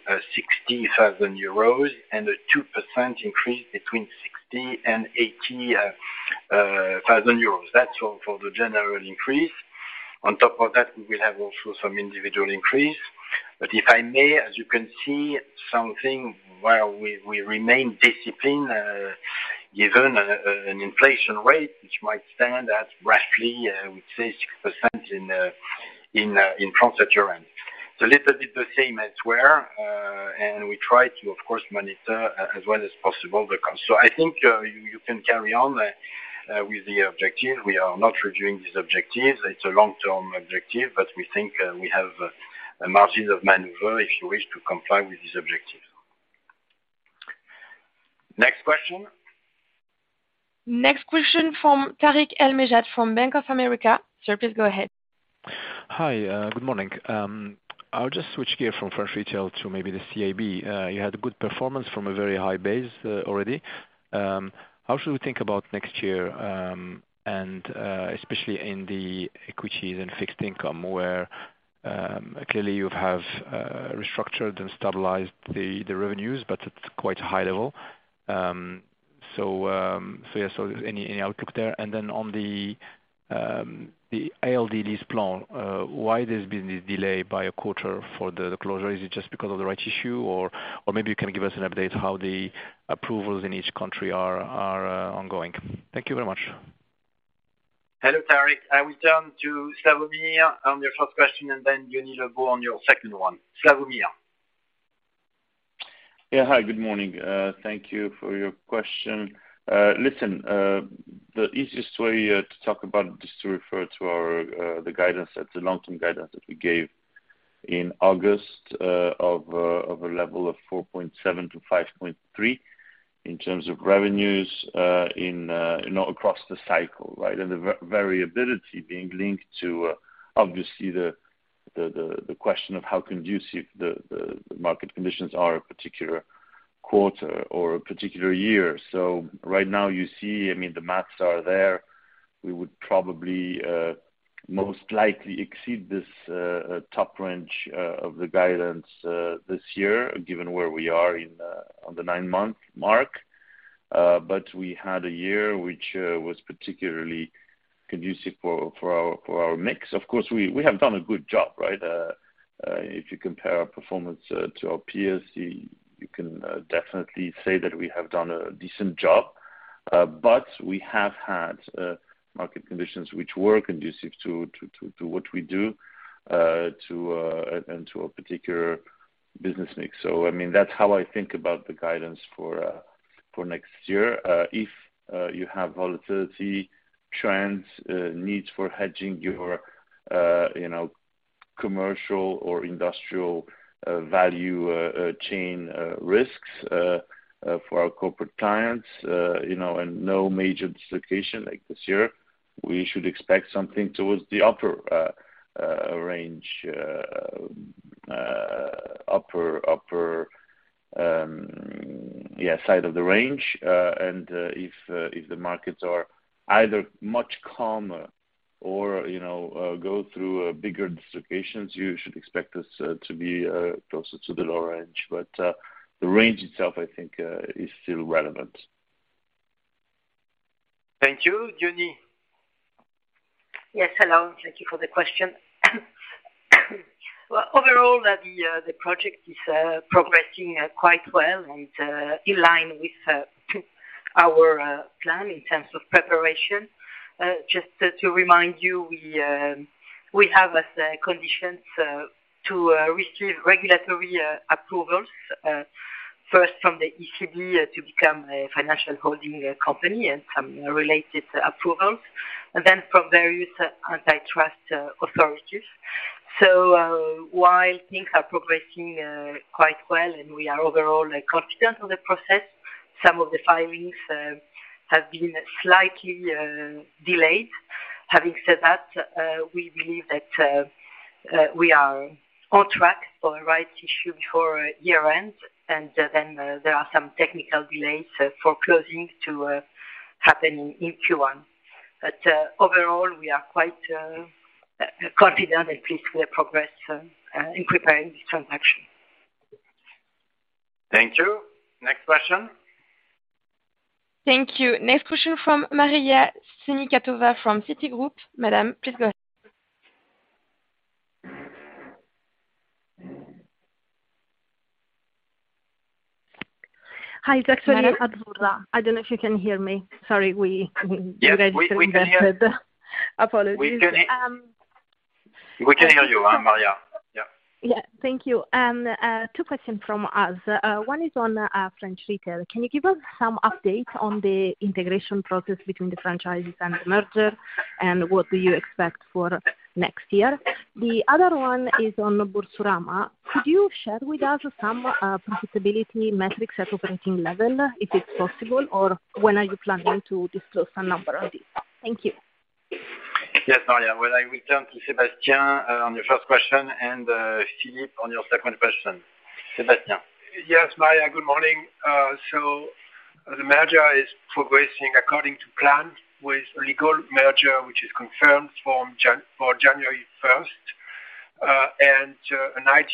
60,000 euros and a 2% increase between 60,000 EUR and 80,000 euros. That's all for the general increase. On top of that, we will have also some individual increase. If I may, as you can see, something where we remain disciplined, given an inflation rate, which might stand at roughly, I would say 6% in France at year-end. It's a little bit the same elsewhere, and we try to, of course, monitor as well as possible the cost. I think you can carry on with the objective. We are not reviewing this objective. It's a long-term objective, but we think we have a margin of maneuver, if you wish, to comply with this objective. Next question? Next question from Tarik El Mejjad from Bank of America. Sir, please go ahead. Hi, good morning. I'll just switch gear from French retail to maybe the CIB. You had a good performance from a very high base already. How should we think about next year? Especially in the equities and fixed income, where clearly you have restructured and stabilized the revenues, but it's quite high level. Any outlook there? On the ALD's plan, why there's been this delay by a quarter for the closure? Is it just because of the rights issue? Or maybe you can give us an update how the approvals in each country are ongoing. Thank you very much. Hello, Tarik. I will turn to Slawomir on your first question, and then Jean-Charles Lebeau on your second one. Slawomir. Yeah. Hi, good morning. Thank you for your question. Listen, the easiest way to talk about this is to refer to our guidance, the long-term guidance that we gave in August of a level of 4.7-5.3 in terms of revenues across the cycle, right? The variability being linked to obviously the question of how conducive the market conditions are in a particular quarter or a particular year. Right now, you see, I mean, the math is there. We would probably most likely exceed this top range of the guidance this year, given where we are on the nine-month mark. We had a year which was particularly conducive for our mix. Of course, we have done a good job, right? If you compare our performance to our peers, you can definitely say that we have done a decent job, but we have had market conditions which were conducive to what we do and to a particular business mix. I mean, that's how I think about the guidance for next year. If you have volatility trends, needs for hedging your commercial or industrial value chain risks for our corporate clients, you know, and no major dislocation like this year, we should expect something towards the upper range upper side of the range. If the markets are either much calmer or, you know, go through bigger dislocations, you should expect us to be closer to the lower range. The range itself, I think, is still relevant. Thank you, Johnny. Yes, hello. Thank you for the question. Well, overall, the project is progressing quite well and in line with our plan in terms of preparation. Just to remind you, we have as conditions to receive regulatory approvals, first from the ECB to become a financial holding company and some related approvals, and then from various antitrust authorities. While things are progressing quite well and we are overall confident on the process, some of the filings have been slightly delayed. Having said that, we believe that we are on track for the rights issue before year-end, and then there are some technical delays for closing to happen in Q1. Overall, we are quite confident and pleased with the progress in preparing this transaction. Thank you. Next question? Thank you. Next question from Azzurra Guelfi from Citigroup. Madam, please go ahead. Hi, it's actually Azzurra Guelfi. I don't know if you can hear me. Sorry. Yes, we can hear. Apologies. We can hear you, Azzurra. Yeah. Yeah. Thank you. Two questions from us. One is on French retail. Can you give us some updates on the integration process between the franchises and the merger? What do you expect for next year? The other one is on Boursorama. Could you share with us some profitability metrics at operating level, if it's possible? Or when are you planning to disclose some numbers on this? Thank you. Yes, Azzurra. Well, I will turn to Sébastien on your first question and Philippe on your second question. Sébastien. Yes, Azzurra, good morning. The merger is progressing according to plan with legal merger, which is confirmed for January first, and an IT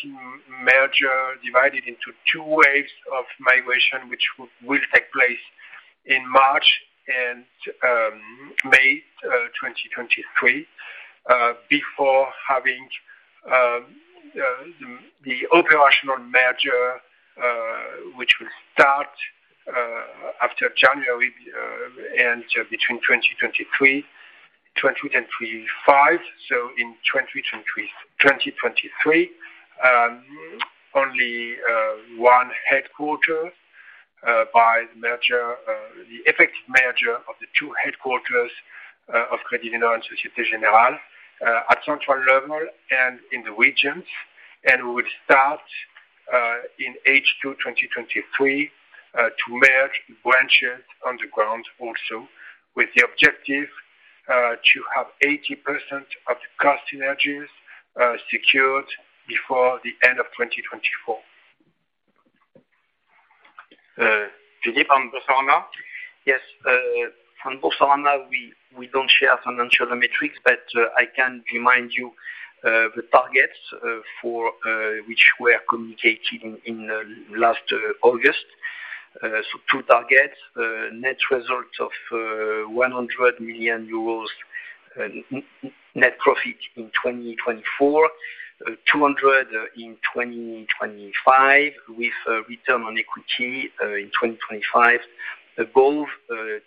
merger divided into two waves of migration, which will take place in March and May 2023, before having the operational merger, which will start after January and between 2023, 2025. In 2023, only one headquarter by the merger, the effective merger of the two headquarters of Crédit du Nord and Société Générale at central level and in the regions. We would start in H2 2023 to merge branches on the ground also with the objective to have 80% of the cost synergies secured before the end of 2024. Philippe on Boursorama. Yes, on Boursorama, we don't share financial metrics, but I can remind you the targets for which were communicated in the last August. So two targets, net results of 100 million euros net profit in 2024, 200 million in 2025, with a return on equity in 2025 above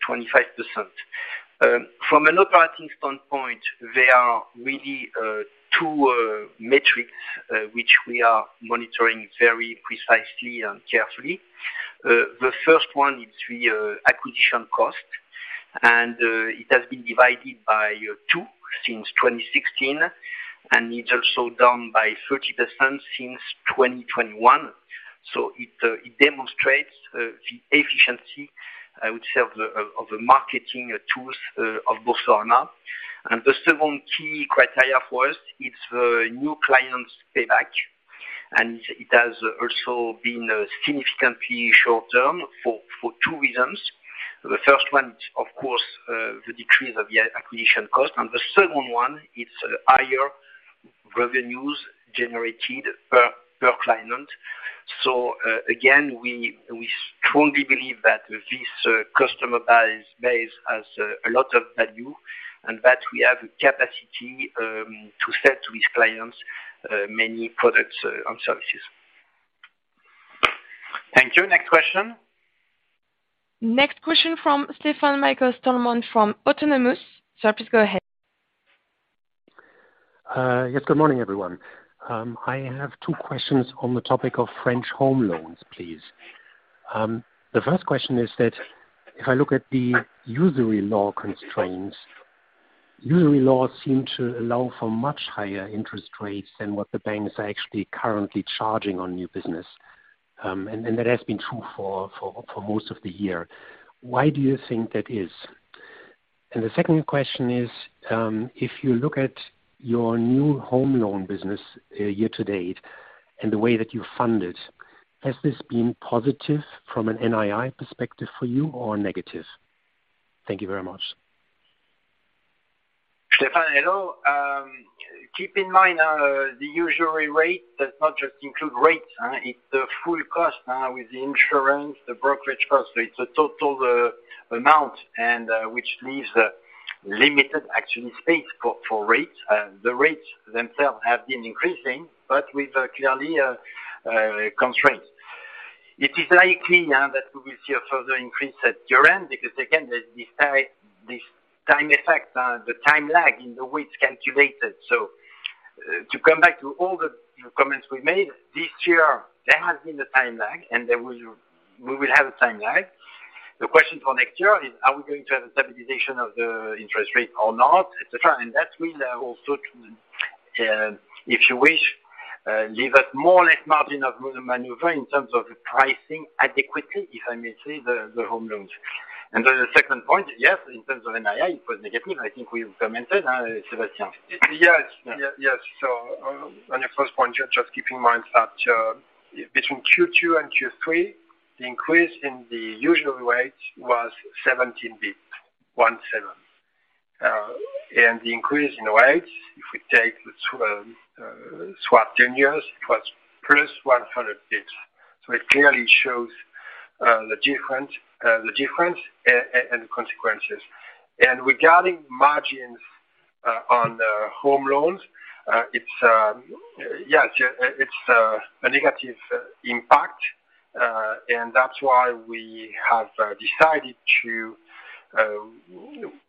25%. From an operating standpoint, there are really two metrics which we are monitoring very precisely and carefully. The first one is the acquisition cost, and it has been divided by two since 2016, and it's also down by 30% since 2021. It demonstrates the efficiency, I would say, of the marketing tools of Boursorama. The second key criteria for us is the new clients payback, and it has also been significantly shortened for two reasons. The first one is, of course, the decrease of the acquisition cost, and the second one is higher revenues generated per client. Again, we strongly believe that this customer base has a lot of value and that we have the capacity to sell to these clients many products and services. Thank you. Next question? Next question from Stefan-Michael Stalmann from Autonomous Research. Sir, please go ahead. Yes, good morning, everyone. I have two questions on the topic of French home loans, please. The first question is that if I look at the usury law constraints, usury laws seem to allow for much higher interest rates than what the banks are actually currently charging on new business. And that has been true for most of the year. Why do you think that is? The second question is, if you look at your new home loan business, year to date and the way that you fund it, has this been positive from an NII perspective for you or negative? Thank you very much. Stefan, hello. Keep in mind, the usury rate does not just include rates, it's the full cost, with the insurance, the brokerage cost. It's a total amount and which leaves a limited actually space for rates. The rates themselves have been increasing, but with clearly constraints. It is likely that we will see a further increase at year-end because again, this time effect, the time lag in the way it's calculated. To come back to all the comments we made, this year there has been a time lag, and we will have a time lag. The question for next year is, are we going to have a stabilization of the interest rate or not. That will also, if you wish, leave us more or less margin of maneuver in terms of pricing adequately, if I may say, the home loans. The second point, yes, in terms of NII, it was negative. I think we've commented, Sébastien. Yes. On your first point, just keep in mind that between Q2 and Q3, the increase in the usury rate was 17 basis points. The increase in rates, if we take the 10-year swap, it was +100 basis points. It clearly shows the difference and the consequences. Regarding margins on the home loans, it's a negative impact, and that's why we have decided to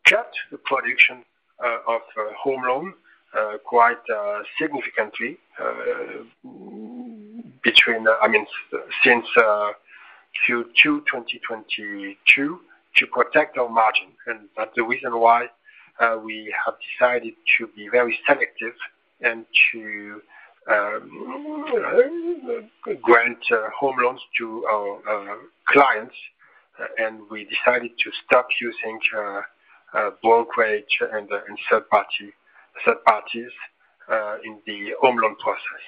cut the production of home loan quite significantly. I mean, since Q2 2022 to protect our margin. That's the reason why we have decided to be very selective and to grant home loans to our clients, and we decided to stop using a brokerage and third parties in the home loan process.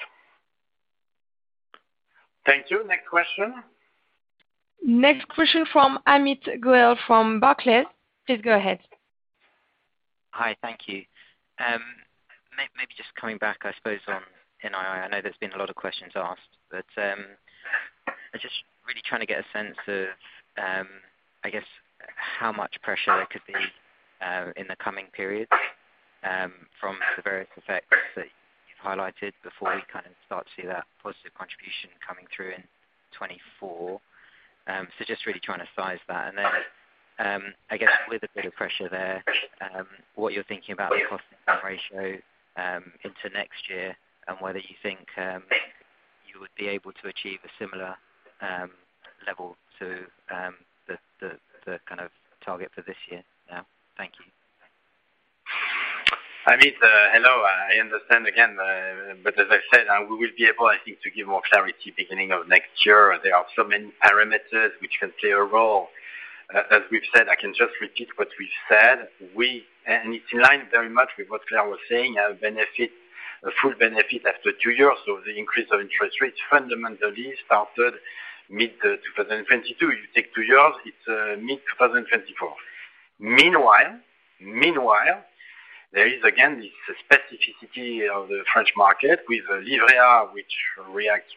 Thank you. Next question? Next question from Amit Goel from Barclays. Please go ahead. Hi. Thank you. Maybe just coming back, I suppose, on NII. I know there's been a lot of questions asked, but, I'm just really trying to get a sense of, I guess how much pressure there could be, in the coming periods, from the various effects that you've highlighted before we kind of start to see that positive contribution coming through in 2024. Just really trying to size that. I guess with a bit of pressure there, what you're thinking about the cost-income ratio, into next year and whether you think, you would be able to achieve a similar, level to the kind of target for this year now. Thank you. I mean, hello. I understand again, but as I said, we will be able, I think, to give more clarity beginning of next year. There are so many parameters which can play a role. As we've said, I can just repeat what we've said. It's in line very much with what Claire was saying, a benefit, a full benefit after two years of the increase of interest rates fundamentally started mid-2022. You take two years, it's mid-2024. Meanwhile, there is again this specificity of the French market with Livret A, which reacts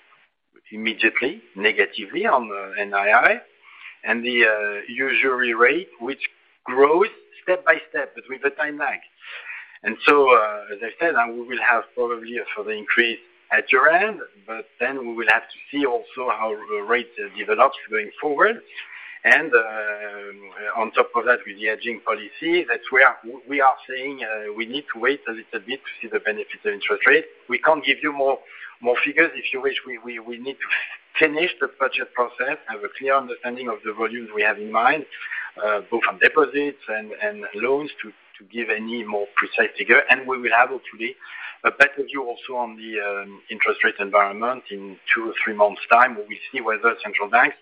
immediately, negatively on NII and the usury rate, which grows step by step, but with a time lag. We will have probably a further increase at year-end, but then we will have to see also how rate develops going forward. On top of that, with the easing policy, that's where we are saying we need to wait a little bit to see the benefits of interest rates. We can't give you more figures. If you wish, we need to finish the budget process, have a clear understanding of the volumes we have in mind, both on deposits and loans to give any more precise figure. We will have actually a better view also on the interest rate environment in two or three months time, where we see whether central banks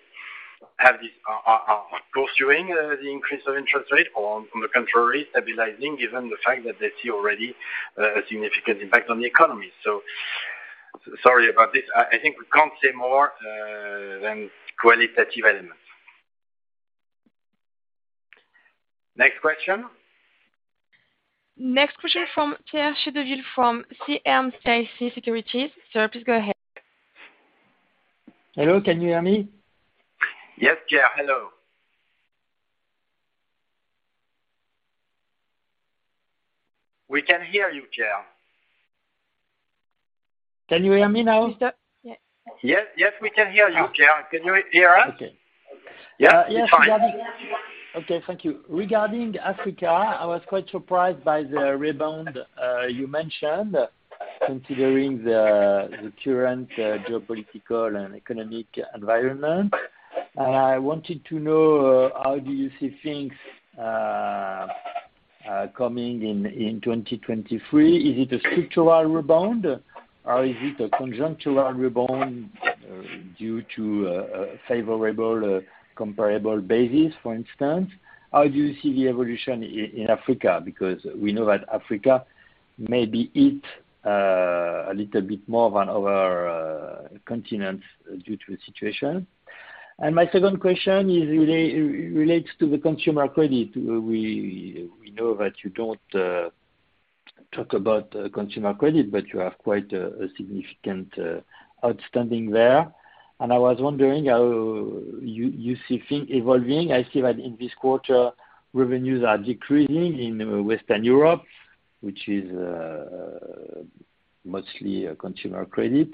are pursuing the increase of interest rates or on the contrary, stabilizing given the fact that they see already a significant impact on the economy. Sorry about this. I think we can't say more than qualitative elements. Next question? Next question from Pierre Chédeville from CIC Market Solutions. Sir, please go ahead. Hello. Can you hear me? Yes, Pierre. Hello. We can hear you, Pierre. Can you hear me now? Yes, sir. Yeah. Yes, yes, we can hear you, Pierre. Can you hear us? Okay. Yeah, fine. Okay, thank you. Regarding Africa, I was quite surprised by the rebound you mentioned, considering the current geopolitical and economic environment. I wanted to know, how do you see things coming in 2023? Is it a structural rebound, or is it a conjuncture rebound due to a favorable comparable basis, for instance? How do you see the evolution in Africa? Because we know that Africa may be hit a little bit more than other continents due to the situation. My second question relates to the consumer credit. We know that you don't talk about consumer credit, but you have quite a significant outstanding there. I was wondering how you see things evolving. I see that in this quarter, revenues are decreasing in Western Europe, which is mostly a consumer credit,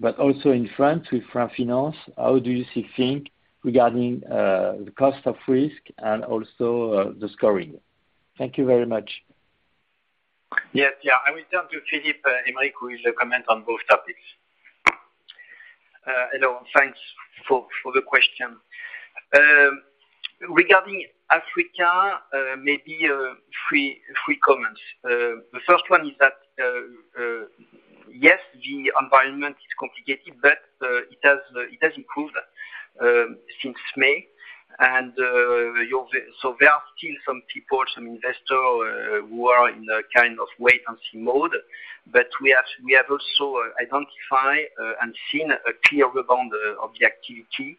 but also in France with Franfinance. How do you see things regarding the cost of risk and also the scoring? Thank you very much. Yes. Yeah. I will turn to Philippe Aymerich, who will comment on both topics. Hello. Thanks for the question. Regarding Africa, maybe three comments. The first one is that yes, the environment is complicated, but it has improved since May. There are still some people, some investors who are in a kind of wait-and-see mode. We have also identified and seen a clear rebound of the activity,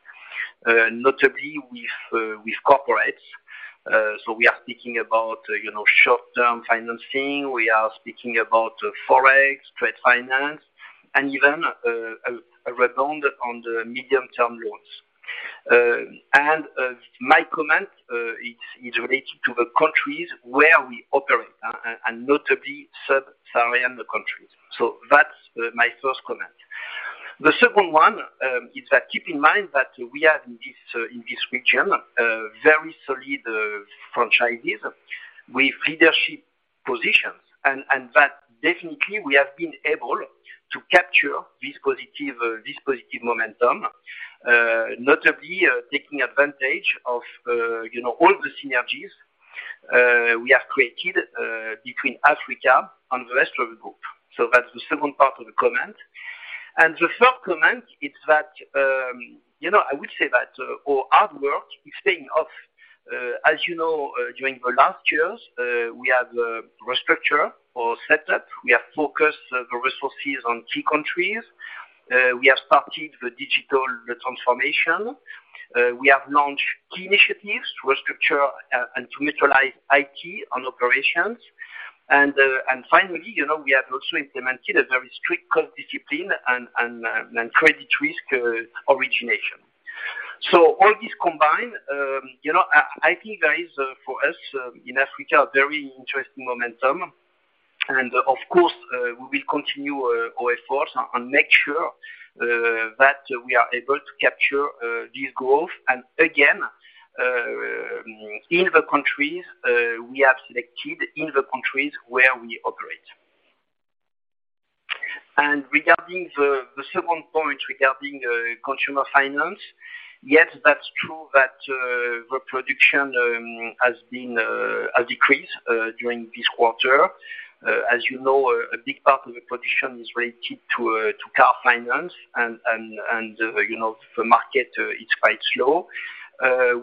notably with corporates. We are speaking about, you know, short-term financing. We are speaking about Forex, trade finance, and even a rebound on the medium-term loans. My comment is related to the countries where we operate, and notably sub-Saharan countries. That's my first comment. The second one is that keep in mind that we have in this region very solid franchises with leadership positions, and that definitely we have been able to capture this positive momentum, notably taking advantage of you know all the synergies we have created between Africa and the rest of the group. So that's the second part of the comment. The third comment is that you know I would say that our hard work is paying off. As you know, during the last years we have restructured or set up. We have focused the resources on key countries. We have started the digital transformation. We have launched key initiatives to restructure and to mutualize IT on operations. Finally, you know, we have also implemented a very strict cost discipline and credit risk origination. So all this combined, you know, I think there is for us in Africa a very interesting momentum. Of course, we will continue our efforts and make sure that we are able to capture this growth, and again, in the countries we have selected, in the countries where we operate. Regarding the second point regarding consumer finance, yes, that's true that the production has decreased during this quarter. As you know, a big part of the production is related to car finance and you know the market is quite slow.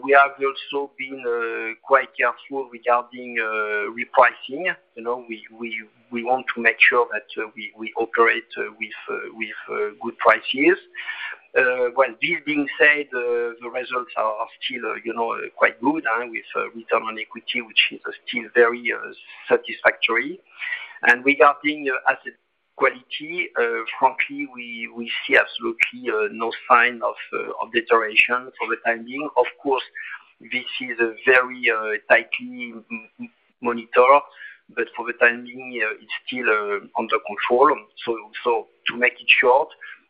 We have also been quite careful regarding repricing. You know, we want to make sure that we operate with good prices. Well, this being said, the results are still you know quite good, and with return on equity, which is still very satisfactory. Regarding asset quality, frankly, we see absolutely no sign of deterioration for the time being. Of course, this is very tightly monitored, but for the time being, it's still under control. To make it short,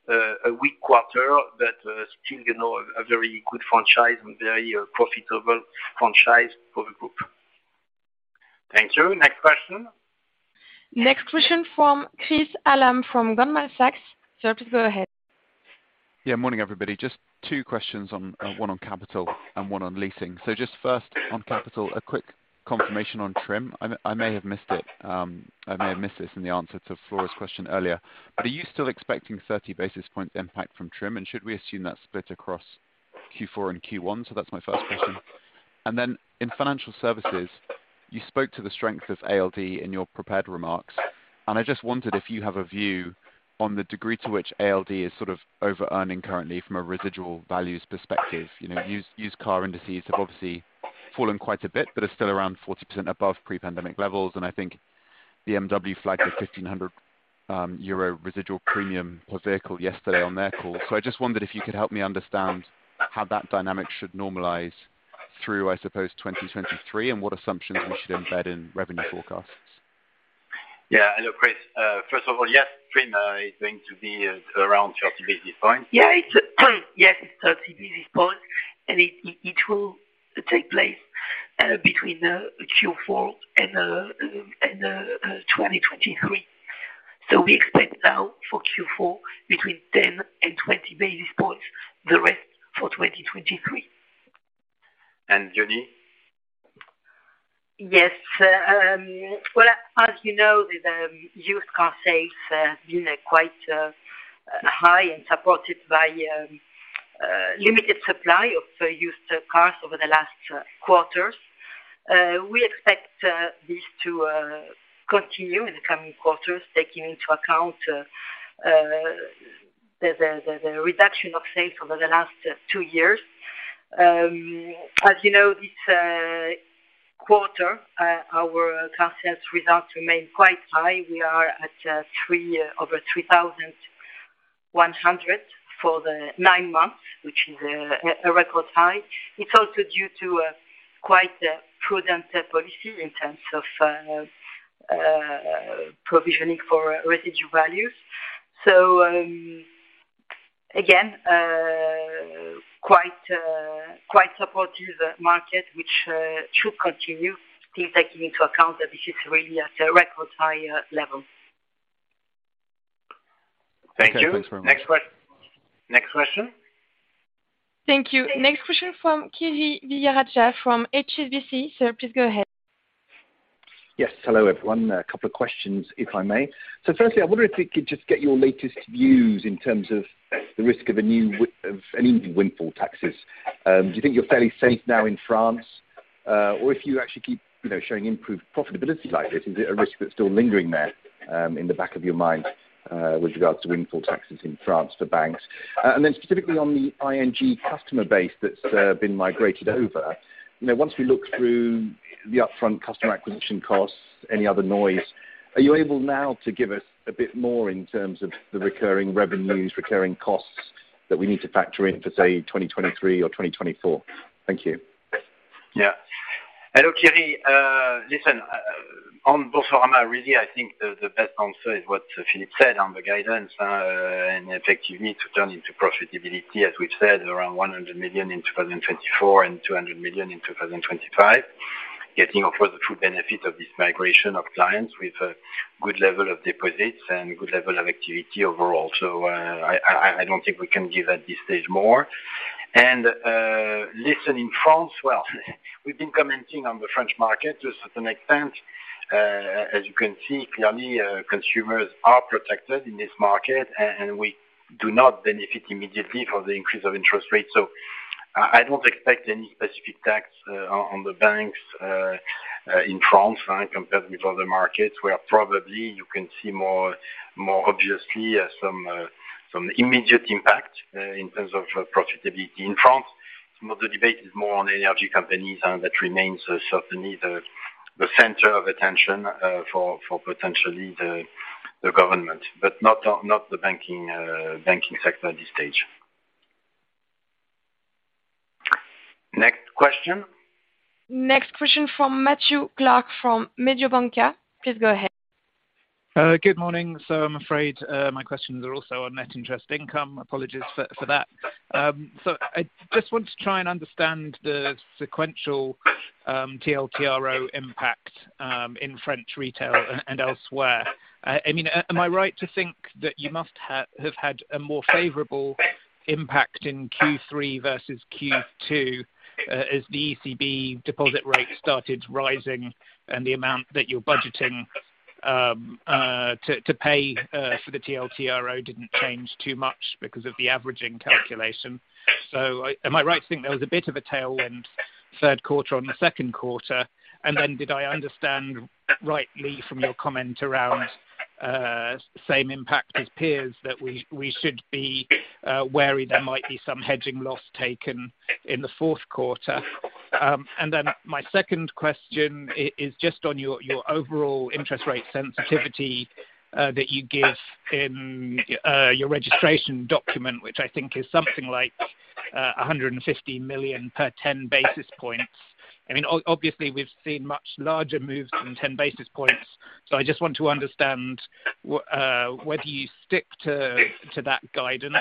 a weak quarter, but still, you know, a very good franchise and very profitable franchise for the group. Thank you. Next question? Next question from Chris Hallam from Goldman Sachs. Sir, please go ahead. Yeah, morning, everybody. Just two questions on one on capital and one on leasing. Just first, on capital, a quick confirmation on TRIM. I may have missed it. I may have missed this in the answer to Flora's question earlier. But are you still expecting 30 basis points impact from TRIM? And should we assume that's split across Q4 and Q1? That's my first question. Then in financial services, you spoke to the strength of ALD in your prepared remarks, and I just wondered if you have a view on the degree to which ALD is sort of overearning currently from a residual values perspective. You know, used car indices have obviously fallen quite a bit but are still around 40% above pre-pandemic levels. I think BMW flagged a 1,500 euro residual premium per vehicle yesterday on their call. I just wondered if you could help me understand how that dynamic should normalize through, I suppose, 2023, and what assumptions we should embed in revenue forecasts. Yeah. Hello, Chris. First of all, yes, TRIM is going to be around 30 basis points. Yes, it's 30 basis points, and it will take place between Q4 and 2023. We expect now for Q4 between 10 and 20 basis points, the rest for 2023. Johnny? Yes. Well, as you know, the used car sales have been quite high and supported by limited supply of used cars over the last quarters. We expect this to continue in the coming quarters, taking into account the reduction of sales over the last two years. As you know, this quarter our car sales results remain quite high. We are at over 3,100 for the nine months, which is a record high. It's also due to quite a prudent policy in terms of provisioning for residual values. Again, quite supportive market, which should continue still taking into account that this is really at a record high level. Okay. Thanks very much. Thank you. Next question? Thank you. Next question from Kirishanthan Vijayarajah from HSBC. Sir, please go ahead. Yes. Hello, everyone. A couple of questions, if I may. Firstly, I wonder if we could just get your latest views in terms of the risk of a new wave of any windfall taxes. Do you think you're fairly safe now in France? Or if you actually keep, you know, showing improved profitability like this, is it a risk that's still lingering there, in the back of your mind, with regards to windfall taxes in France for banks? And then specifically on the ING customer base that's been migrated over, you know, once we look through the upfront customer acquisition costs, any other noise, are you able now to give us a bit more in terms of the recurring revenues, recurring costs that we need to factor in for, say, 2023 or 2024? Thank you. Yeah. Hello, Kiri. Listen, on Boursorama, really, I think the best answer is what Philippe said on the guidance, and effectively to turn into profitability, as we've said, around 100 million in 2024 and 200 million in 2025, getting of course the full benefit of this migration of clients with a good level of deposits and good level of activity overall. I don't think we can give at this stage more. Listen, in France, well, we've been commenting on the French market to a certain extent. As you can see, clearly, consumers are protected in this market, and we do not benefit immediately from the increase of interest rates. I don't expect any specific tax on the banks in France compared with other markets, where probably you can see more obviously some immediate impact in terms of profitability in France. Some of the debate is more on energy companies, and that remains certainly the center of attention for potentially the government, but not the banking sector at this stage. Next question? Next question from Matthew Clark from Mediobanca. Please go ahead. Good morning. I'm afraid my questions are also on net interest income. Apologies for that. I just want to try and understand the sequential TLTRO impact in French retail and elsewhere. I mean, am I right to think that you must have had a more favorable impact in Q3 versus Q2, as the ECB deposit rate started rising and the amount that you're budgeting to pay for the TLTRO didn't change too much because of the averaging calculation. Am I right to think there was a bit of a tailwind third quarter on the second quarter. Did I understand rightly from your comment around same impact as peers that we should be wary there might be some hedging loss taken in the fourth quarter? My second question is just on your overall interest rate sensitivity that you give in your registration document, which I think is something like 150 million per 10 basis points. I mean, obviously, we've seen much larger moves than 10 basis points, so I just want to understand whether you stick to that guidance,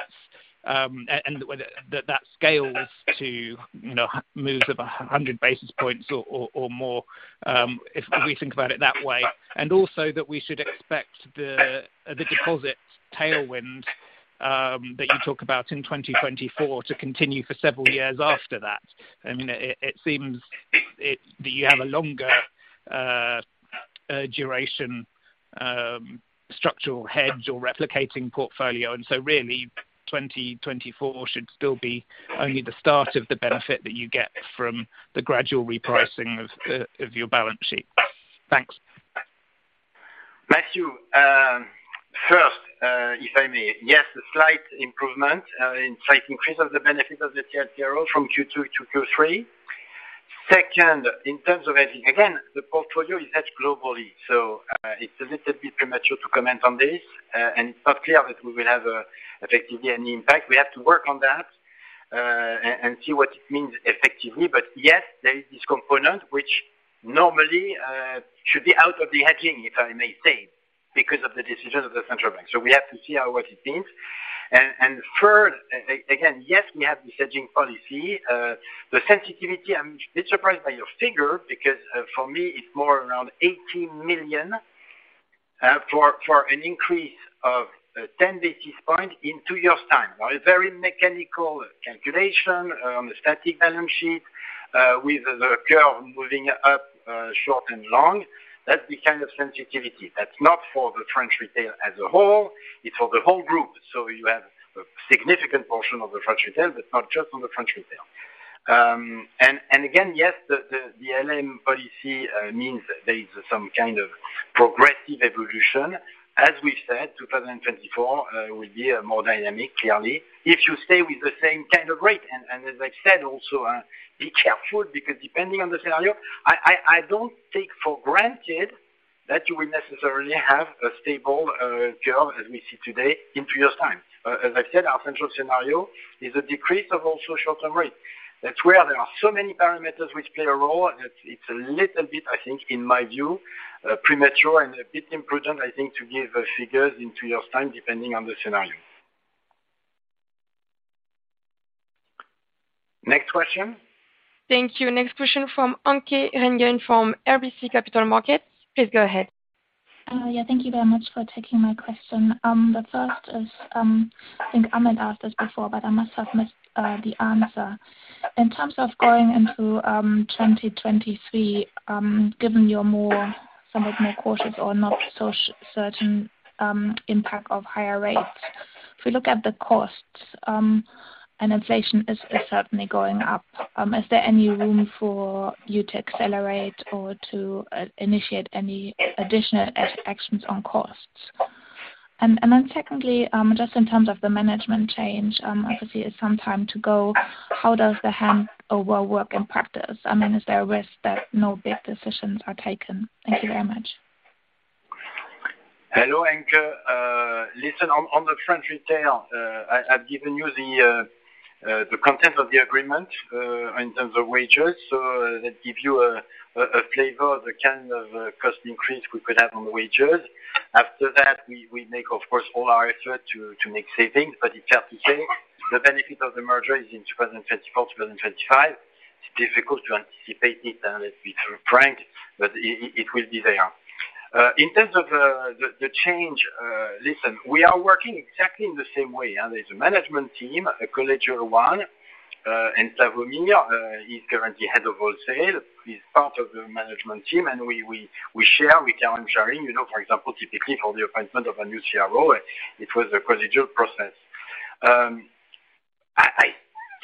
and whether that scales to, you know, moves of 100 basis points or more, if we think about it that way. Also that we should expect the deposit tailwind that you talk about in 2024 to continue for several years after that. I mean, it seems it, that you have a longer duration structural hedge or replicating portfolio, and so really, 2024 should still be only the start of the benefit that you get from the gradual repricing of your balance sheet. Thanks. Matthew, first, if I may, yes, a slight improvement in slight increase of the benefit of the TLTRO from Q2 to Q3. Second, in terms of hedging, again, the portfolio is hedged globally. It's a little bit premature to comment on this, and it's not clear that we will have effectively any impact. We have to work on that, and see what it means effectively. Yes, there is this component which normally should be out of the hedging, if I may say, because of the decisions of the central bank. We have to see how what it means. Third, again, yes, we have this hedging policy. The sensitivity, I'm a bit surprised by your figure because, for me, it's more around 80 million for an increase of 10 basis points in two years' time. Now, a very mechanical calculation on the static balance sheet with the curve moving up, short and long. That's the kind of sensitivity. That's not for the French retail as a whole, it's for the whole group. You have a significant portion of the French retail, but not just on the French retail. Again, yes, the ALM policy means there is some kind of progressive evolution. As we've said, 2024 will be more dynamic, clearly, if you stay with the same kind of rate. As I've said, also, be careful because depending on the scenario, I don't take for granted that you will necessarily have a stable curve as we see today in two years' time. as I said, our central scenario is a decrease of also short-term rate. That's where there are so many parameters which play a role, and it's a little bit, I think, in my view, premature and a bit imprudent, I think, to give figures in two years' time, depending on the scenario. Next question? Thank you. Next question from Anke Reingen from RBC Capital Markets. Please go ahead. Yeah, thank you very much for taking my question. The first is, I think Amit asked this before, but I must have missed the answer. In terms of going into 2023, given your somewhat more cautious or not so certain impact of higher rates. If we look at the costs, and inflation is certainly going up, is there any room for you to accelerate or to initiate any additional actions on costs? Secondly, just in terms of the management change, obviously, it's some time to go. How does the handover work in practice? I mean, is there a risk that no big decisions are taken? Thank you very much. Hello, Anke. Listen, on the French retail, I've given you the content of the agreement in terms of wages. That give you a flavor of the kind of cost increase we could have on wages. After that, we make, of course, all our effort to make savings, but it's hard to say. The benefit of the merger is in 2024, 2025. It's difficult to anticipate it, and let's be frank, but it will be there. In terms of the change, listen, we are working exactly in the same way. There's a management team, a collegial one, and Slawomir, he's currently head of wholesale. He's part of the management team, and we share we carry on sharing, you know, for example, typically for the appointment of a new CRO, it was a collegial process. I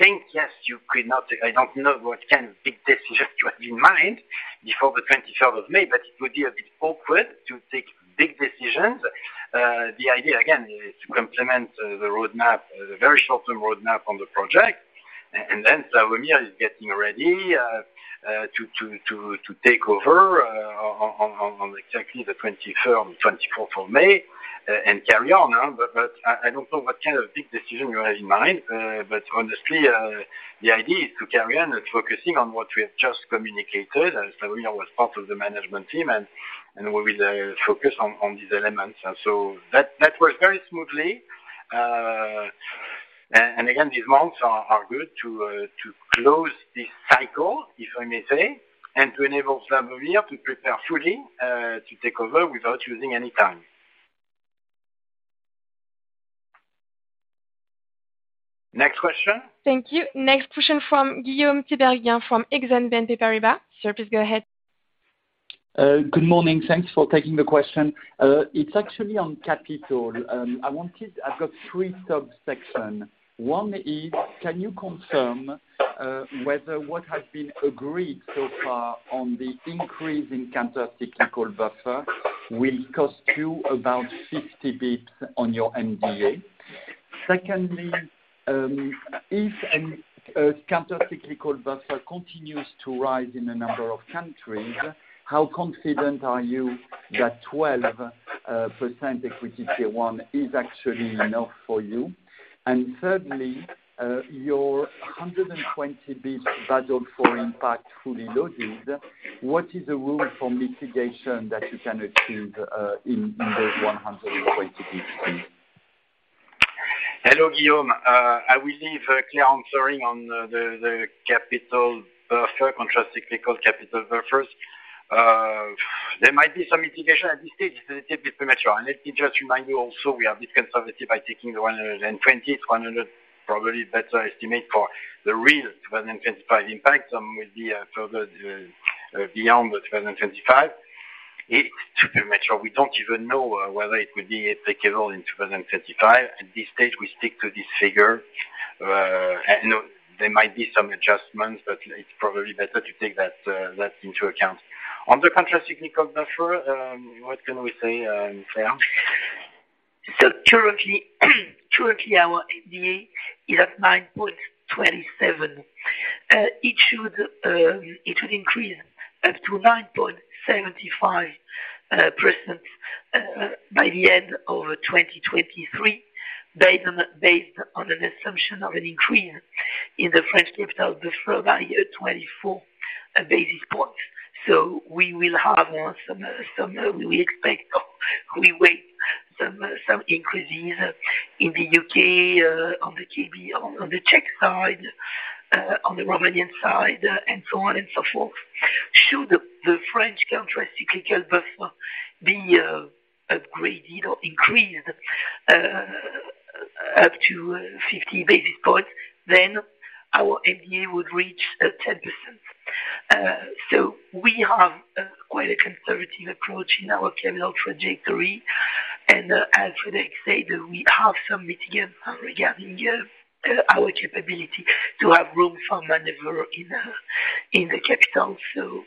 think, yes, you could not. I don't know what kind of big decision you have in mind before the 23rd of May, but it would be a bit awkward to take big decisions. The idea again is to complement the roadmap, the very short-term roadmap on the project. Then Slawomir is getting ready to take over on exactly the 23rd and 24th of May and carry on. I don't know what kind of big decision you have in mind. Honestly, the idea is to carry on and focusing on what we have just communicated, and Slawomir was part of the management team, and we will focus on these elements. That worked very smoothly. Again, these months are good to close this cycle, if I may say, and to enable Slawomir to prepare fully to take over without losing any time. Next question. Thank you. Next question from Guillaume Tiberghien from Exane BNP Paribas. Sir, please go ahead. Good morning. Thanks for taking the question. It's actually on capital. I've got three sub-questions. One is, can you confirm whether what has been agreed so far on the increase in countercyclical buffer will cost you about 50 basis points on your MDA? Secondly, if countercyclical buffer continues to rise in a number of countries, how confident are you that 12% Equity Tier 1 is actually enough for you? Thirdly, your 120 basis points Basel IV impact fully loaded, what is the room for mitigation that you can achieve in the 120 basis points? Hello, Guillaume. I will leave Claire answering on the capital buffer, countercyclical capital buffers. There might be some mitigation. At this stage it's a little bit premature. Let me just remind you also we are a bit conservative by taking the 120. 100 probably better estimate for the real 2025 impact. Some will be further beyond the 2025. It's premature. We don't even know whether it will be applicable in 2025. At this stage, we stick to this figure. You know, there might be some adjustments, but it's probably better to take that into account. On the countercyclical buffer, what can we say, Claire? Currently our CET1 is at 9.27%. It will increase up to 9.75% by the end of 2023, based on an assumption of an increase in the French capital buffer by 24 basis points. We will have some increases in the UK on the Komerční banka on the Czech side on the Romanian side and so on and so forth. Should the French countercyclical buffer be upgraded or increased up to 50 basis points, then our CET1 would reach 10%. We have quite a conservative approach in our capital trajectory. As Frédéric Oudéa said, we have some mitigants regarding our capability to have room for maneuver in the capital.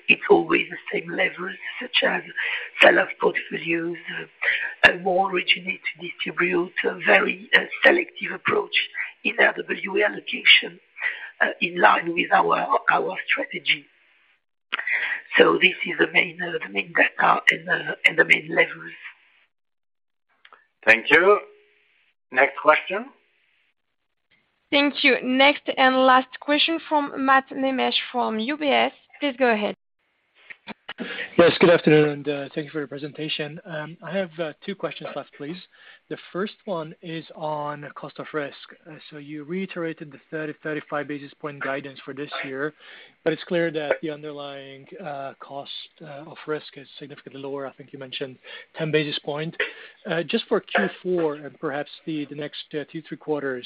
It's always the same levels such as sell-off portfolios, more originate-to-distribute, a very selective approach in RWA allocation, in line with our strategy. This is the main data and the main levels. Thank you. Next question? Thank you. Next and last question from [Mateusz Nemeth from UBS. Please go ahead. Yes, good afternoon, and thank you for your presentation. I have two questions left, please. The first one is on cost of risk. So you reiterated the 30-35 basis points guidance for this year, but it's clear that the underlying cost of risk is significantly lower. I think you mentioned 10 basis points. Just for Q4 and perhaps the next two to three quarters,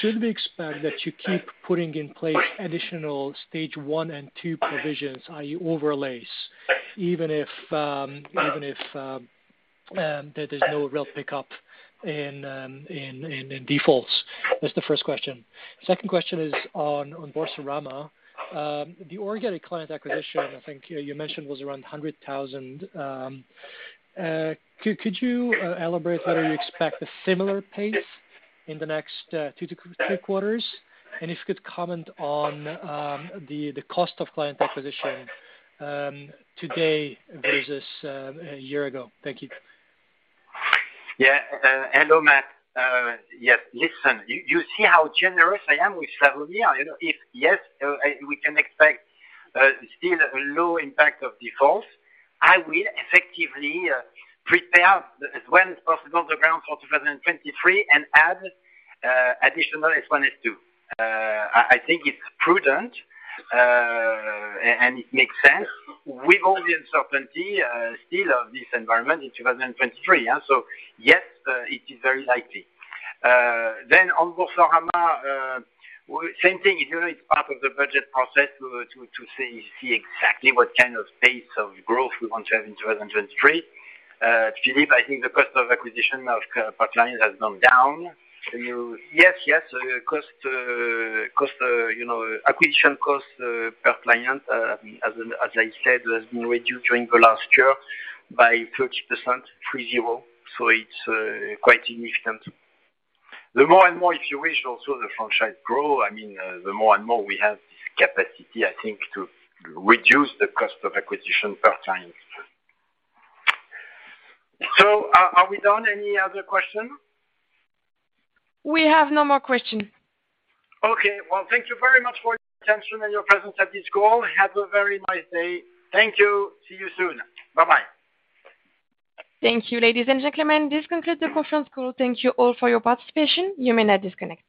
should we expect that you keep putting in place additional Stage 1 and 2 provisions, i.e. overlays, even if there is no real pickup in defaults? That's the first question. Second question is on Boursorama. The organic client acquisition, I think you mentioned was around 100,000. Could you elaborate whether you expect a similar pace in the next two to three quarters? If you could comment on the cost of client acquisition today versus a year ago. Thank you. Hello, Mateusz. Yes. Listen, you see how generous I am with Slawomir. You know, yes, we can expect still a low impact of defaults. I will effectively prepare as when possible the ground for 2023 and add additional S1, S2. I think it's prudent, and it makes sense with all the uncertainty still of this environment in 2023. Yes, it is very likely. On Boursorama, same thing. You know, it's part of the budget process to see exactly what kind of pace of growth we want to have in 2023. Philippe, I think the cost of acquisition per client has gone down. Yes. Yes. Cost, you know, acquisition costs per client, as I said, has been reduced during the last year by 30%, 30, so it's quite significant. The more and more, if you wish, also the franchise grow, I mean, the more and more we have this capacity I think to reduce the cost of acquisition per client. Are we done? Any other question? We have no more question. Okay. Well, thank you very much for your attention and your presence at this call. Have a very nice day. Thank you. See you soon. Bye-bye. Thank you, ladies and gentlemen. This concludes the conference call. Thank you all for your participation. You may now disconnect.